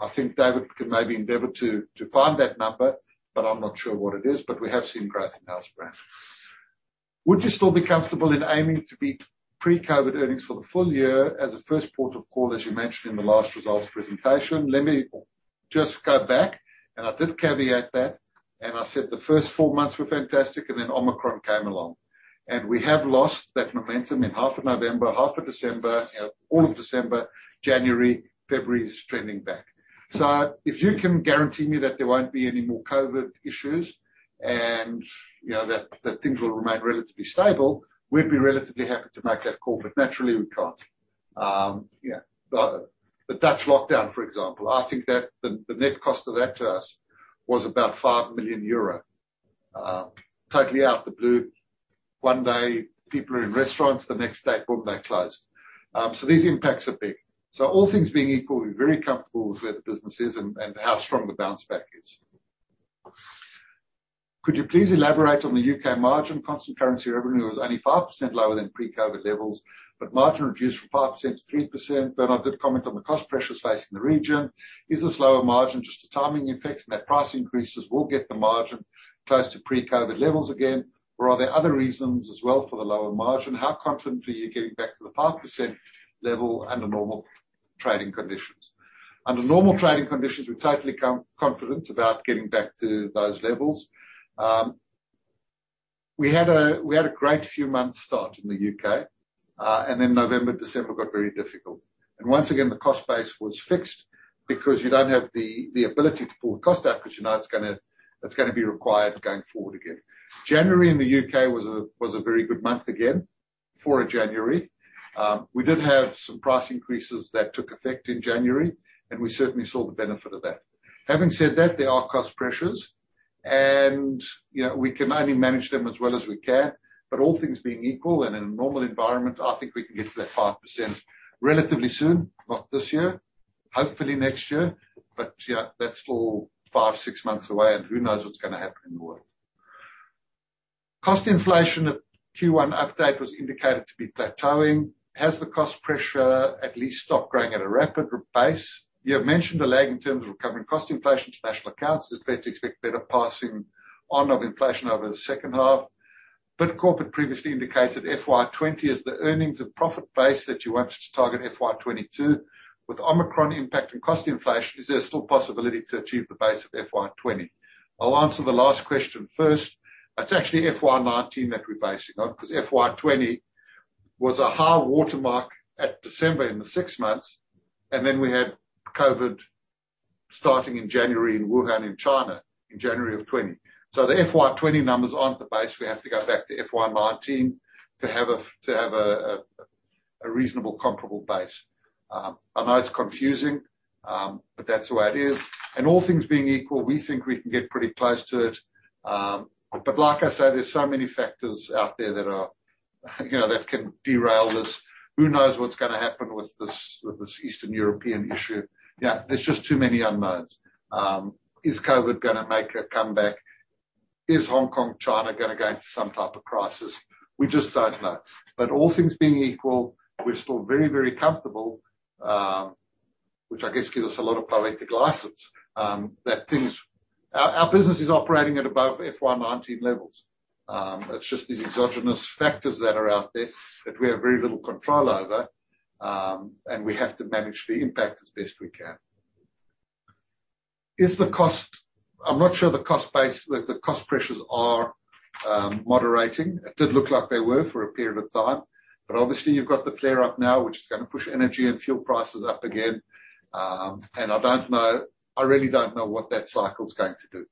I think David can maybe endeavor to find that number, but I'm not sure what it is. We have seen growth in house brand. Would you still be comfortable in aiming to beat pre-COVID earnings for the full year as a first port of call, as you mentioned in the last results presentation? Let me just go back. I did caveat that, and I said the first four months were fantastic, and then Omicron came along. We have lost that momentum in half of November, half of December, all of December. January, February is trending back. If you can guarantee me that there won't be any more COVID issues and you know that things will remain relatively stable, we'd be relatively happy to make that call. Naturally, we can't. You know, the Dutch lockdown, for example. I think that the net cost of that to us was about 5 million euro. Totally out of the blue. One day people are in restaurants, the next day, boom, they're closed. These impacts are big. All things being equal, we're very comfortable with where the business is and how strong the bounce back is. Could you please elaborate on the U.K. margin? Constant currency revenue was only 5% lower than pre-COVID levels, but margin reduced from 5% to 3%. Bernard did comment on the cost pressures facing the region. Is this lower margin just a timing effect, and that price increases will get the margin close to pre-COVID levels again or are there other reasons as well for the lower margin? How confident are you getting back to the 5% level under normal trading conditions? Under normal trading conditions, we're totally confident about getting back to those levels. We had a great few months start in the U.K., and then November, December got very difficult. Once again, the cost base was fixed because you don't have the ability to pull the cost out 'cause you know it's gonna be required going forward again. January in the U.K. was a very good month again for a January. We did have some price increases that took effect in January, and we certainly saw the benefit of that. Having said that, there are cost pressures, and you know, we can only manage them as well as we can. All things being equal and in a normal environment, I think we can get to that 5% relatively soon. Not this year, hopefully next year. Yeah, that's still five, six months away and who knows what's gonna happen in the world. Cost inflation at Q1 update was indicated to be plateauing. Has the cost pressure at least stopped growing at a rapid pace? You have mentioned a lag in terms of recovering cost inflation to national accounts. Is it fair to expect better passing on of inflation over the second half? Bidcorp had previously indicated FY 2020 as the earnings of profit base that you wanted to target FY 2022. With Omicron impact and cost inflation, is there still possibility to achieve the base of FY 2020? I'll answer the last question first. It's actually FY 2019 that we're basing on, 'cause FY 2020 was a high watermark at December in the six months, and then we had COVID starting in January in Wuhan, in China, in January of 2020. So, the FY 2020 numbers aren't the base. We have to go back to FY 2019 to have a reasonable comparable base. I know it's confusing, but that's the way it is. All things being equal, we think we can get pretty close to it. Like I say, there's so many factors out there that are, you know, that can derail this. Who knows what's gonna happen with this Eastern European issue? Yeah, there's just too many unknowns. Is COVID gonna make a comeback? Is Hong Kong, China gonna go into some type of crisis? We just don't know. All things being equal, we're still very, very comfortable, which I guess give us a lot of poetic license that things our business is operating at above FY 2019 levels. It's just these exogenous factors that are out there that we have very little control over. We have to manage the impact as best we can. Is the cost base, the cost pressures moderating? It did look like they were for a period of time. Obviously, you've got the flare up now, which is gonna push energy and fuel prices up again. I don't know, I really don't know what that cycle's going to do.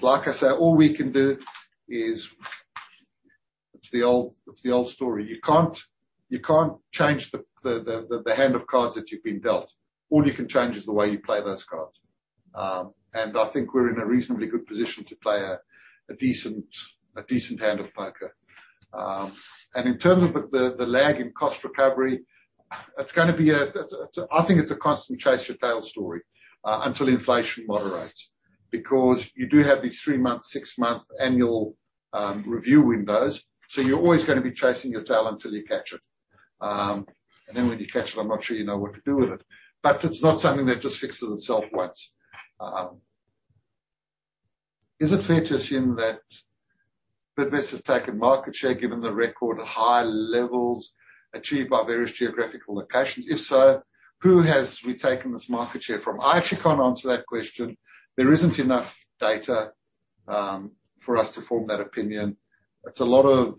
Like I say, all we can do is, it's the old story. You can't change the hand of cards that you've been dealt. All you can change is the way you play those cards. I think we're in a reasonably good position to play a decent hand of poker. In terms of the lag in cost recovery, it's gonna be a, it's a. I think it's a constant chase your tail story until inflation moderates. You do have these three-month, six-month annual review windows, so you're always gonna be chasing your tail until you catch it. Then when you catch it, I'm not sure you know what to do with it. It's not something that just fixes itself once. Is it fair to assume that Bidcorp has taken market share given the record high levels achieved by various geographical locations? If so, who have we taken this market share from? I actually can't answer that question. There isn't enough data for us to form that opinion. It's a lot of,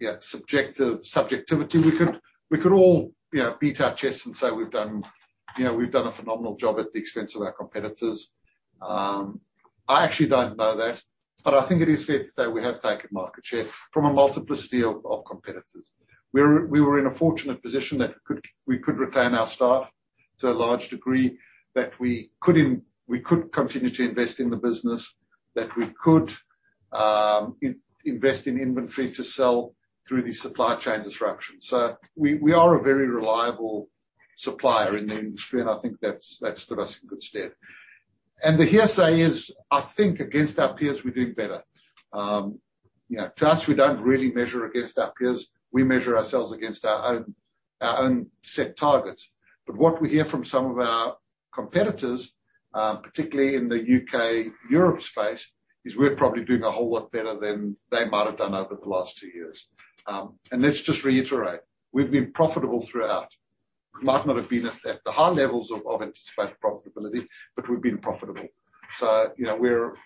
yeah, subjectivity. We could all, you know, beat our chests and say we've done a phenomenal job at the expense of our competitors. I actually don't know that, but I think it is fair to say we have taken market share from a multiplicity of competitors. We were in a fortunate position that we could retain our staff to a large degree, that we could continue to invest in the business, that we could invest in inventory to sell through the supply chain disruption. We are a very reliable supplier in the industry, and I think that's stood us in good stead. The hearsay is, I think, against our peers, we're doing better. You know, to us, we don't really measure against our peers. We measure ourselves against our own set targets. What we hear from some of our competitors, particularly in the U.K., Europe space, is we're probably doing a whole lot better than they might have done over the last two years. Let's just reiterate, we've been profitable throughout. We might not have been at the high levels of anticipated profitability, but we've been profitable. You know, we're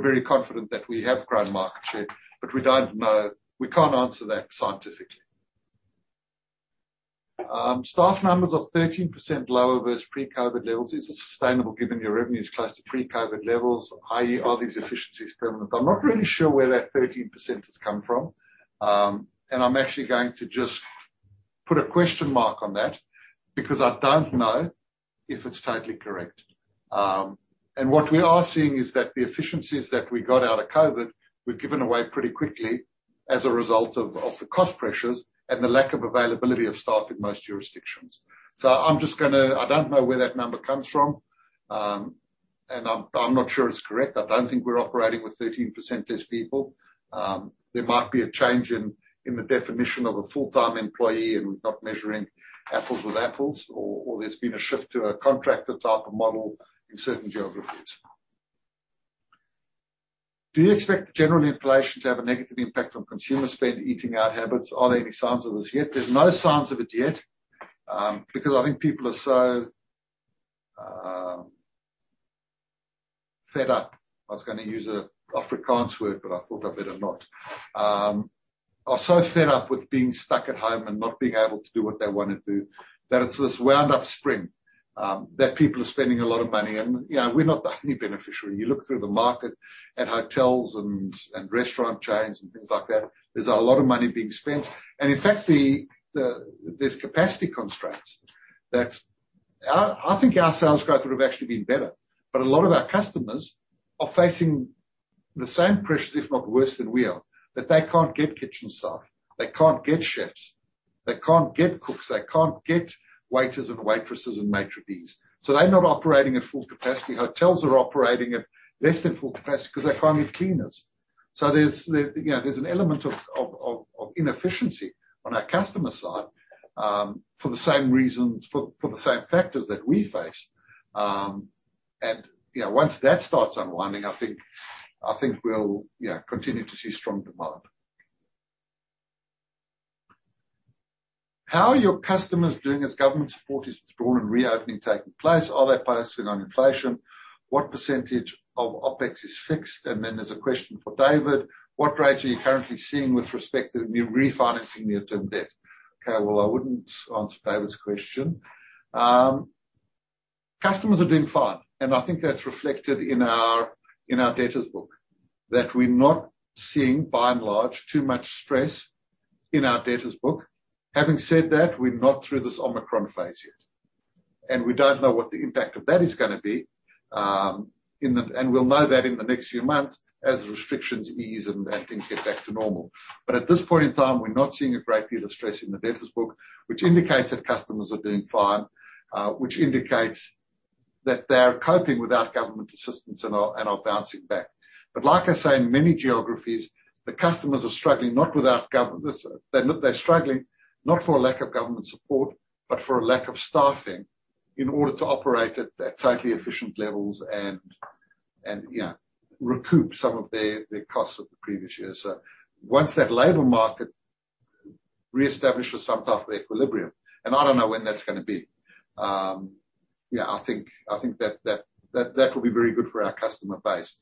very confident that we have grown market share, but we don't know. We can't answer that scientifically. Staff numbers are 13% lower versus pre-COVID levels. Is this sustainable given your revenue is close to pre-COVID levels? i.e. are these efficiencies permanent? I'm not really sure where that 13% has come from, and I'm actually going to just put a question mark on that because I don't know if it's totally correct. What we are seeing is that the efficiencies that we got out of COVID, we've given away pretty quickly as a result of the cost pressures and the lack of availability of staff in most jurisdictions. I don't know where that number comes from, and I'm not sure it's correct. I don't think we're operating with 13% less people. There might be a change in the definition of a full-time employee, and we're not measuring apples with apples or there's been a shift to a contractor type of model in certain geographies. Do you expect the general inflation to have a negative impact on consumer spend eating out habits? Are there any signs of this yet? There's no signs of it yet, because I think people are so fed up. I was gonna use an Afrikaans word, but I thought I better not. They are so fed up with being stuck at home and not being able to do what they wanna do, that it's this wound-up spring, that people are spending a lot of money. You know, we're not the only beneficiary. You look through the market at hotels and restaurant chains and things like that; there's a lot of money being spent. In fact, there's capacity constraints that I think our sales growth would have actually been better. A lot of our customers are facing the same pressures, if not worse than we are, that they can't get kitchen staff, they can't get chefs, they can't get cooks, they can't get waiters and waitresses and maîtres d's. They're not operating at full capacity. Hotels are operating at less than full capacity 'cause they can't get cleaners. So, there's an element of inefficiency on our customer side, for the same reasons, for the same factors that we face. Once that starts unwinding, I think we'll continue to see strong demand. How are your customers doing as government support is withdrawn and reopening taking place? Are they passing on inflation? What percentage of OpEx is fixed? Then there's a question for David: What rates are you currently seeing with respect to the new refinancing the term debt? Okay, well, I wouldn't answer David's question. Customers are doing fine, and I think that's reflected in our debtors book that we're not seeing, by and large, too much stress in our debtors book. Having said that, we're not through this Omicron phase yet, and we don't know what the impact of that is gonna be. We'll know that in the next few months as restrictions ease and things get back to normal. At this point in time, we're not seeing a great deal of stress in the debtors book, which indicates that customers are doing fine, which indicates that they are coping without government assistance and are bouncing back. Like I say, in many geographies, the customers are struggling not without government. They're struggling not for a lack of government support, but for a lack of staffing in order to operate at totally efficient levels and you know, recoup some of their costs of the previous year. Once that labor market reestablishes some type of equilibrium, and I don't know when that's gonna be, yeah, I think that will be very good for our customer base.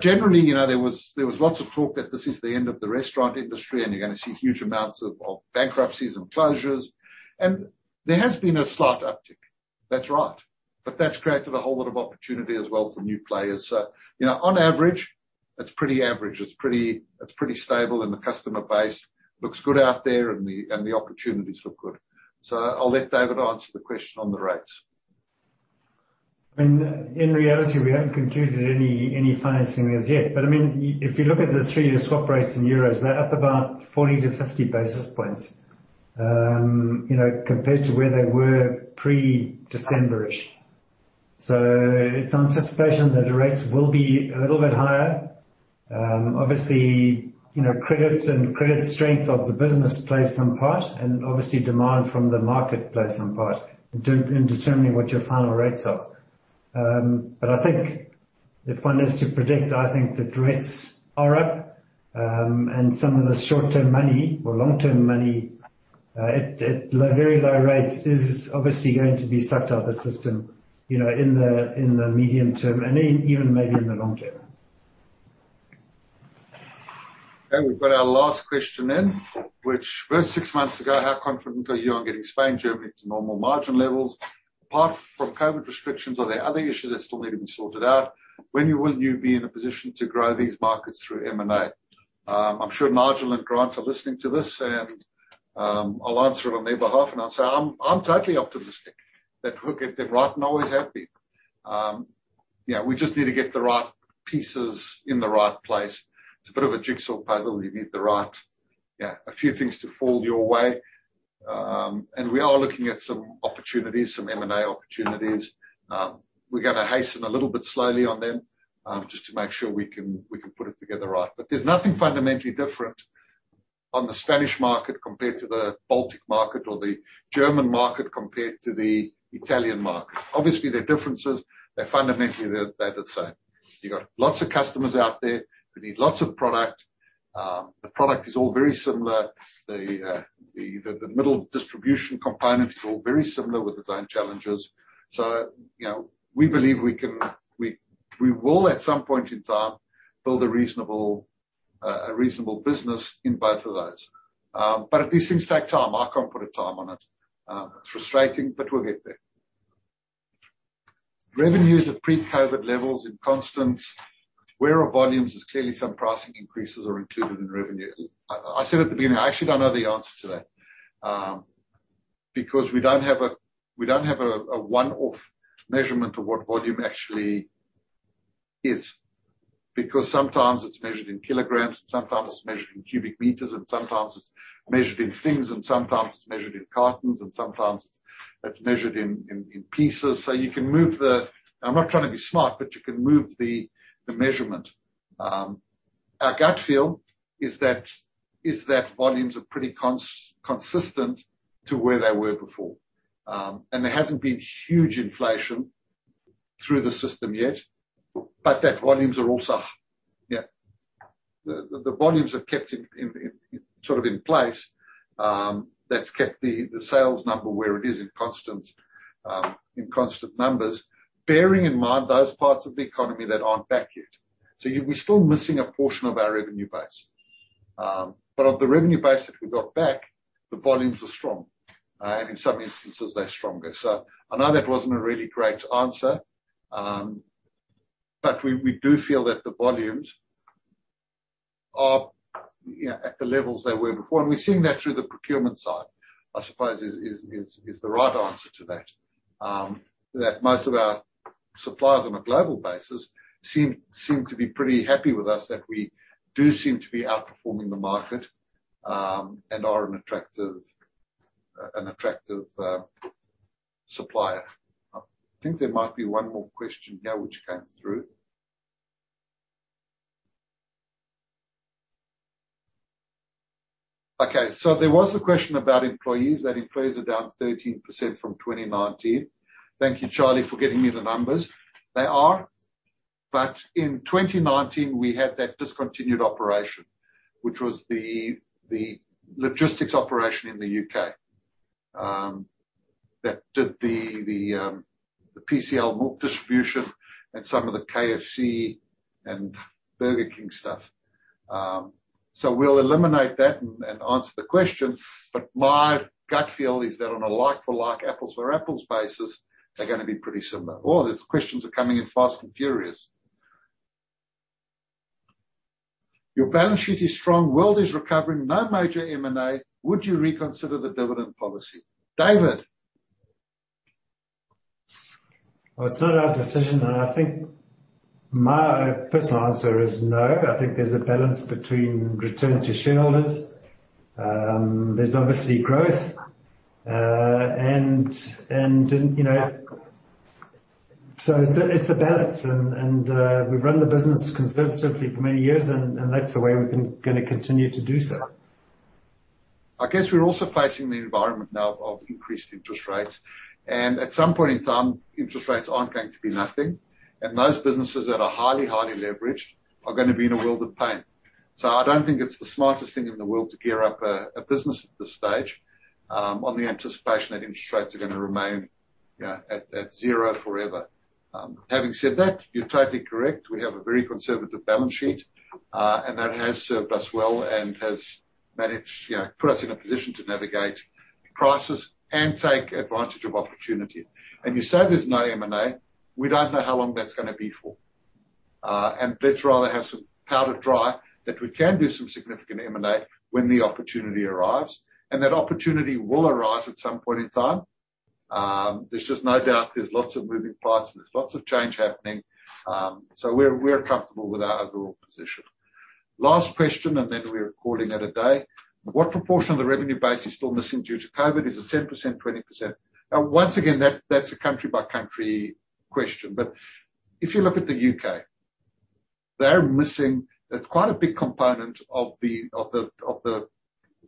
Generally, you know, there was lots of talk that this is the end of the restaurant industry and you're gonna see huge amounts of bankruptcies and closures. There has been a slight uptick, that's right. That's created a whole lot of opportunity as well for new players. You know, on average, it's pretty average. It's pretty stable and the customer base looks good out there and the opportunities look good. I'll let David answer the question on the rates. I mean, in reality, we haven't concluded any financing as yet. I mean, if you look at the three-year swap rates in euros, they're up about 40-50 basis points. You know, compared to where they were pre-December-ish. It's anticipation that the rates will be a little bit higher. Obviously, you know, credit strength of the business plays some part, and obviously demand from the market plays some part in determining what your final rates are. I think if one is to predict, I think that rates are up, and some of the short-term money or long-term money. Very low rates is obviously going to be sucked out the system, you know, in the medium term and even maybe in the long term. Okay, we've got our last question in which: Where six months ago, how confident are you on getting Spain, Germany to normal margin levels? Apart from COVID restrictions, are there other issues that still need to be sorted out? When will you be in a position to grow these markets through M&A? I'm sure Nigel and Grant are listening to this, and I'll answer it on their behalf and I'll say, I'm totally optimistic that we'll get them right and always have been. Yeah, we just need to get the right pieces in the right place. It's a bit of a jigsaw puzzle. You need the right, a few things to fall your way. We are looking at some opportunities, some M&A opportunities. We're gonna hasten a little bit slowly on them, just to make sure we can put it together right. There's nothing fundamentally different on the Spanish market compared to the Baltic market or the German market compared to the Italian market. Obviously, there are differences. They're fundamentally the same. You got lots of customers out there who need lots of product. The product is all very similar. The middle distribution components are all very similar with the same challenges. You know, we will at some point in time build a reasonable business in both of those. These things take time. I can't put a time on it. It's frustrating, but we'll get there. Revenues of pre-COVID levels in constant. Where are volumes, as clearly some pricing increases are included in revenue? I said at the beginning, I actually don't know the answer to that, because we don't have a one-off measurement of what volume actually is. Because sometimes it's measured in kilograms, and sometimes it's measured in cubic meters, and sometimes it's measured in things, and sometimes it's measured in cartons, and sometimes it's measured in pieces. So, you can move the measurement. I'm not trying to be smart, but you can move the measurement. Our gut feel is that volumes are pretty consistent to where they were before. And there hasn't been huge inflation through the system yet, but volumes are also, yeah. The volumes have kept in place, that's kept the sales number where it is in constant numbers. Bearing in mind those parts of the economy that aren't back yet, we're still missing a portion of our revenue base. Of the revenue base that we got back, the volumes were strong. In some instances, they're stronger. I know that wasn't a really great answer, but we do feel that the volumes are, you know, at the levels they were before, and we're seeing that through the procurement side, I suppose is the right answer to that. That most of our suppliers on a global basis seem to be pretty happy with us, that we do seem to be outperforming the market, and are an attractive supplier. I think there might be one more question here which came through. Okay, there was a question about employees, that employees are down 13% from 2019. Thank you, Charlie, for getting me the numbers. They are. In 2019, we had that discontinued operation, which was the logistics operation in the U.K., that did the PCL book distribution and some of the KFC and Burger King stuff. We'll eliminate that and answer the question, but my gut feel is that on a like for like, apples for apples basis, they're gonna be pretty similar. Oh, these questions are coming in fast and furious. Your balance sheet is strong, world is recovering, no major M&A. Would you reconsider the dividend policy? David. Well, it's not our decision, and I think my personal answer is no. I think there's a balance between return to shareholders. There's obviously growth and you know it's a balance and we've run the business conservatively for many years and that's the way we're gonna continue to do so. I guess we're also facing the environment now of increased interest rates, and at some point in time, interest rates aren't going to be nothing. Those businesses that are highly leveraged are gonna be in a world of pain. I don't think it's the smartest thing in the world to gear up a business at this stage on the anticipation that interest rates are gonna remain, you know, at zero forever. Having said that, you're totally correct. We have a very conservative balance sheet, and that has served us well and has managed, you know, put us in a position to navigate crisis and take advantage of opportunity. You say there's no M&A. We don't know how long that's gonna be for. Let's rather have some powder dry that we can do some significant M&A when the opportunity arrives, and that opportunity will arise at some point in time. There's just no doubt there's lots of moving parts and there's lots of change happening. We're comfortable with our overall position. Last question and then we're calling it a day. What proportion of the revenue base is still missing due to COVID? Is it 10%, 20%? Now, once again, that's a country-by-country question. But if you look at the U.K., they're missing quite a big component of the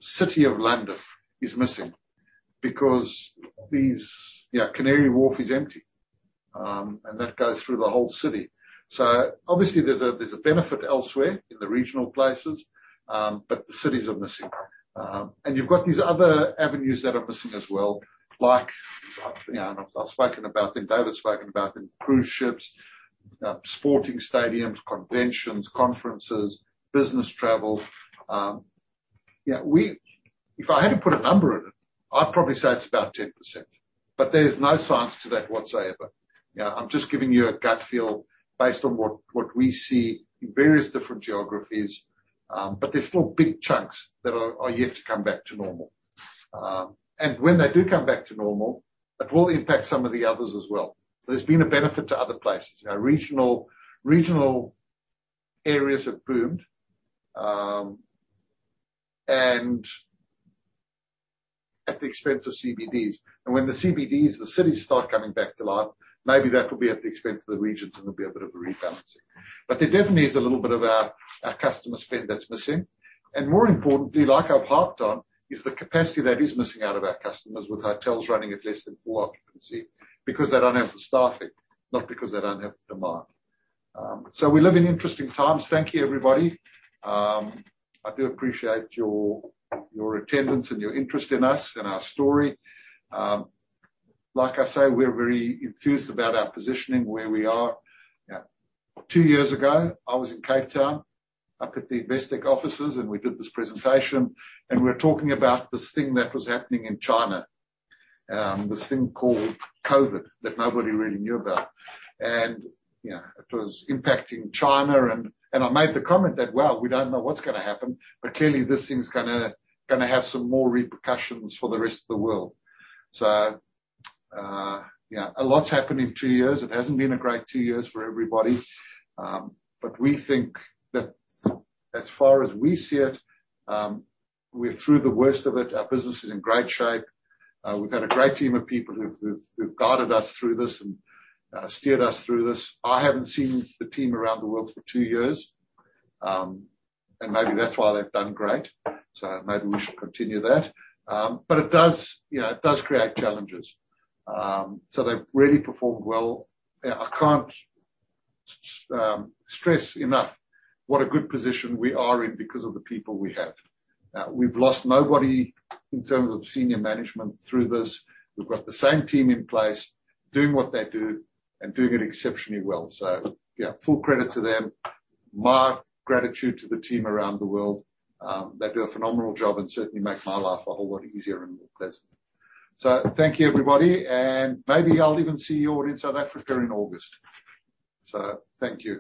city of London because Canary Wharf is empty, and that goes through the whole city. Obviously, there's a benefit elsewhere in the regional places, but the cities are missing. You've got these other avenues that are missing as well, like, you know, and I've spoken about them, David's spoken about them, cruise ships, sporting stadiums, conventions, conferences, business travel. If I had to put a number on it, I'd probably say it's about 10%, but there's no science to that whatsoever. You know, I'm just giving you a gut feel based on what we see in various different geographies. There're still big chunks that are yet to come back to normal. When they do come back to normal, it will impact some of the others as well. There's been a benefit to other places. You know, regional areas have boomed, and at the expense of CBDs. When the CBDs, the cities start coming back to life, maybe that will be at the expense of the regions and there'll be a bit of a rebalancing. There definitely is a little bit of our customer spend that's missing. More importantly, like I've harped on, is the capacity that is missing out of our customers with hotels running at less than full occupancy because they don't have the staffing, not because they don't have the demand. We live in interesting times. Thank you, everybody. I do appreciate your attendance and your interest in us and our story. Like I say, we're very enthused about our positioning, where we are. Two years ago, I was in Cape Town, up at the Investec offices, and we did this presentation, and we were talking about this thing that was happening in China, this thing called COVID that nobody really knew about. You know, it was impacting China and I made the comment that, "Well, we don't know what's gonna happen, but clearly this thing's gonna have some more repercussions for the rest of the world." Yeah, a lot's happened in two years. It hasn't been a great two years for everybody. We think that as far as we see it, we're through the worst of it. Our business is in great shape. We've had a great team of people who've guided us through this and steered us through this. I haven't seen the team around the world for two years, and maybe that's why they've done great. Maybe we should continue that. It does, you know, create challenges. They've really performed well. I can't stress enough what a good position we are in because of the people we have. We've lost nobody in terms of senior management through this. We've got the same team in place doing what they do and doing it exceptionally well. Yeah, full credit to them. My gratitude to the team around the world. They do a phenomenal job and certainly make my life a whole lot easier and more pleasant. Thank you, everybody. Maybe I'll even see you all in South Africa in August. Thank you.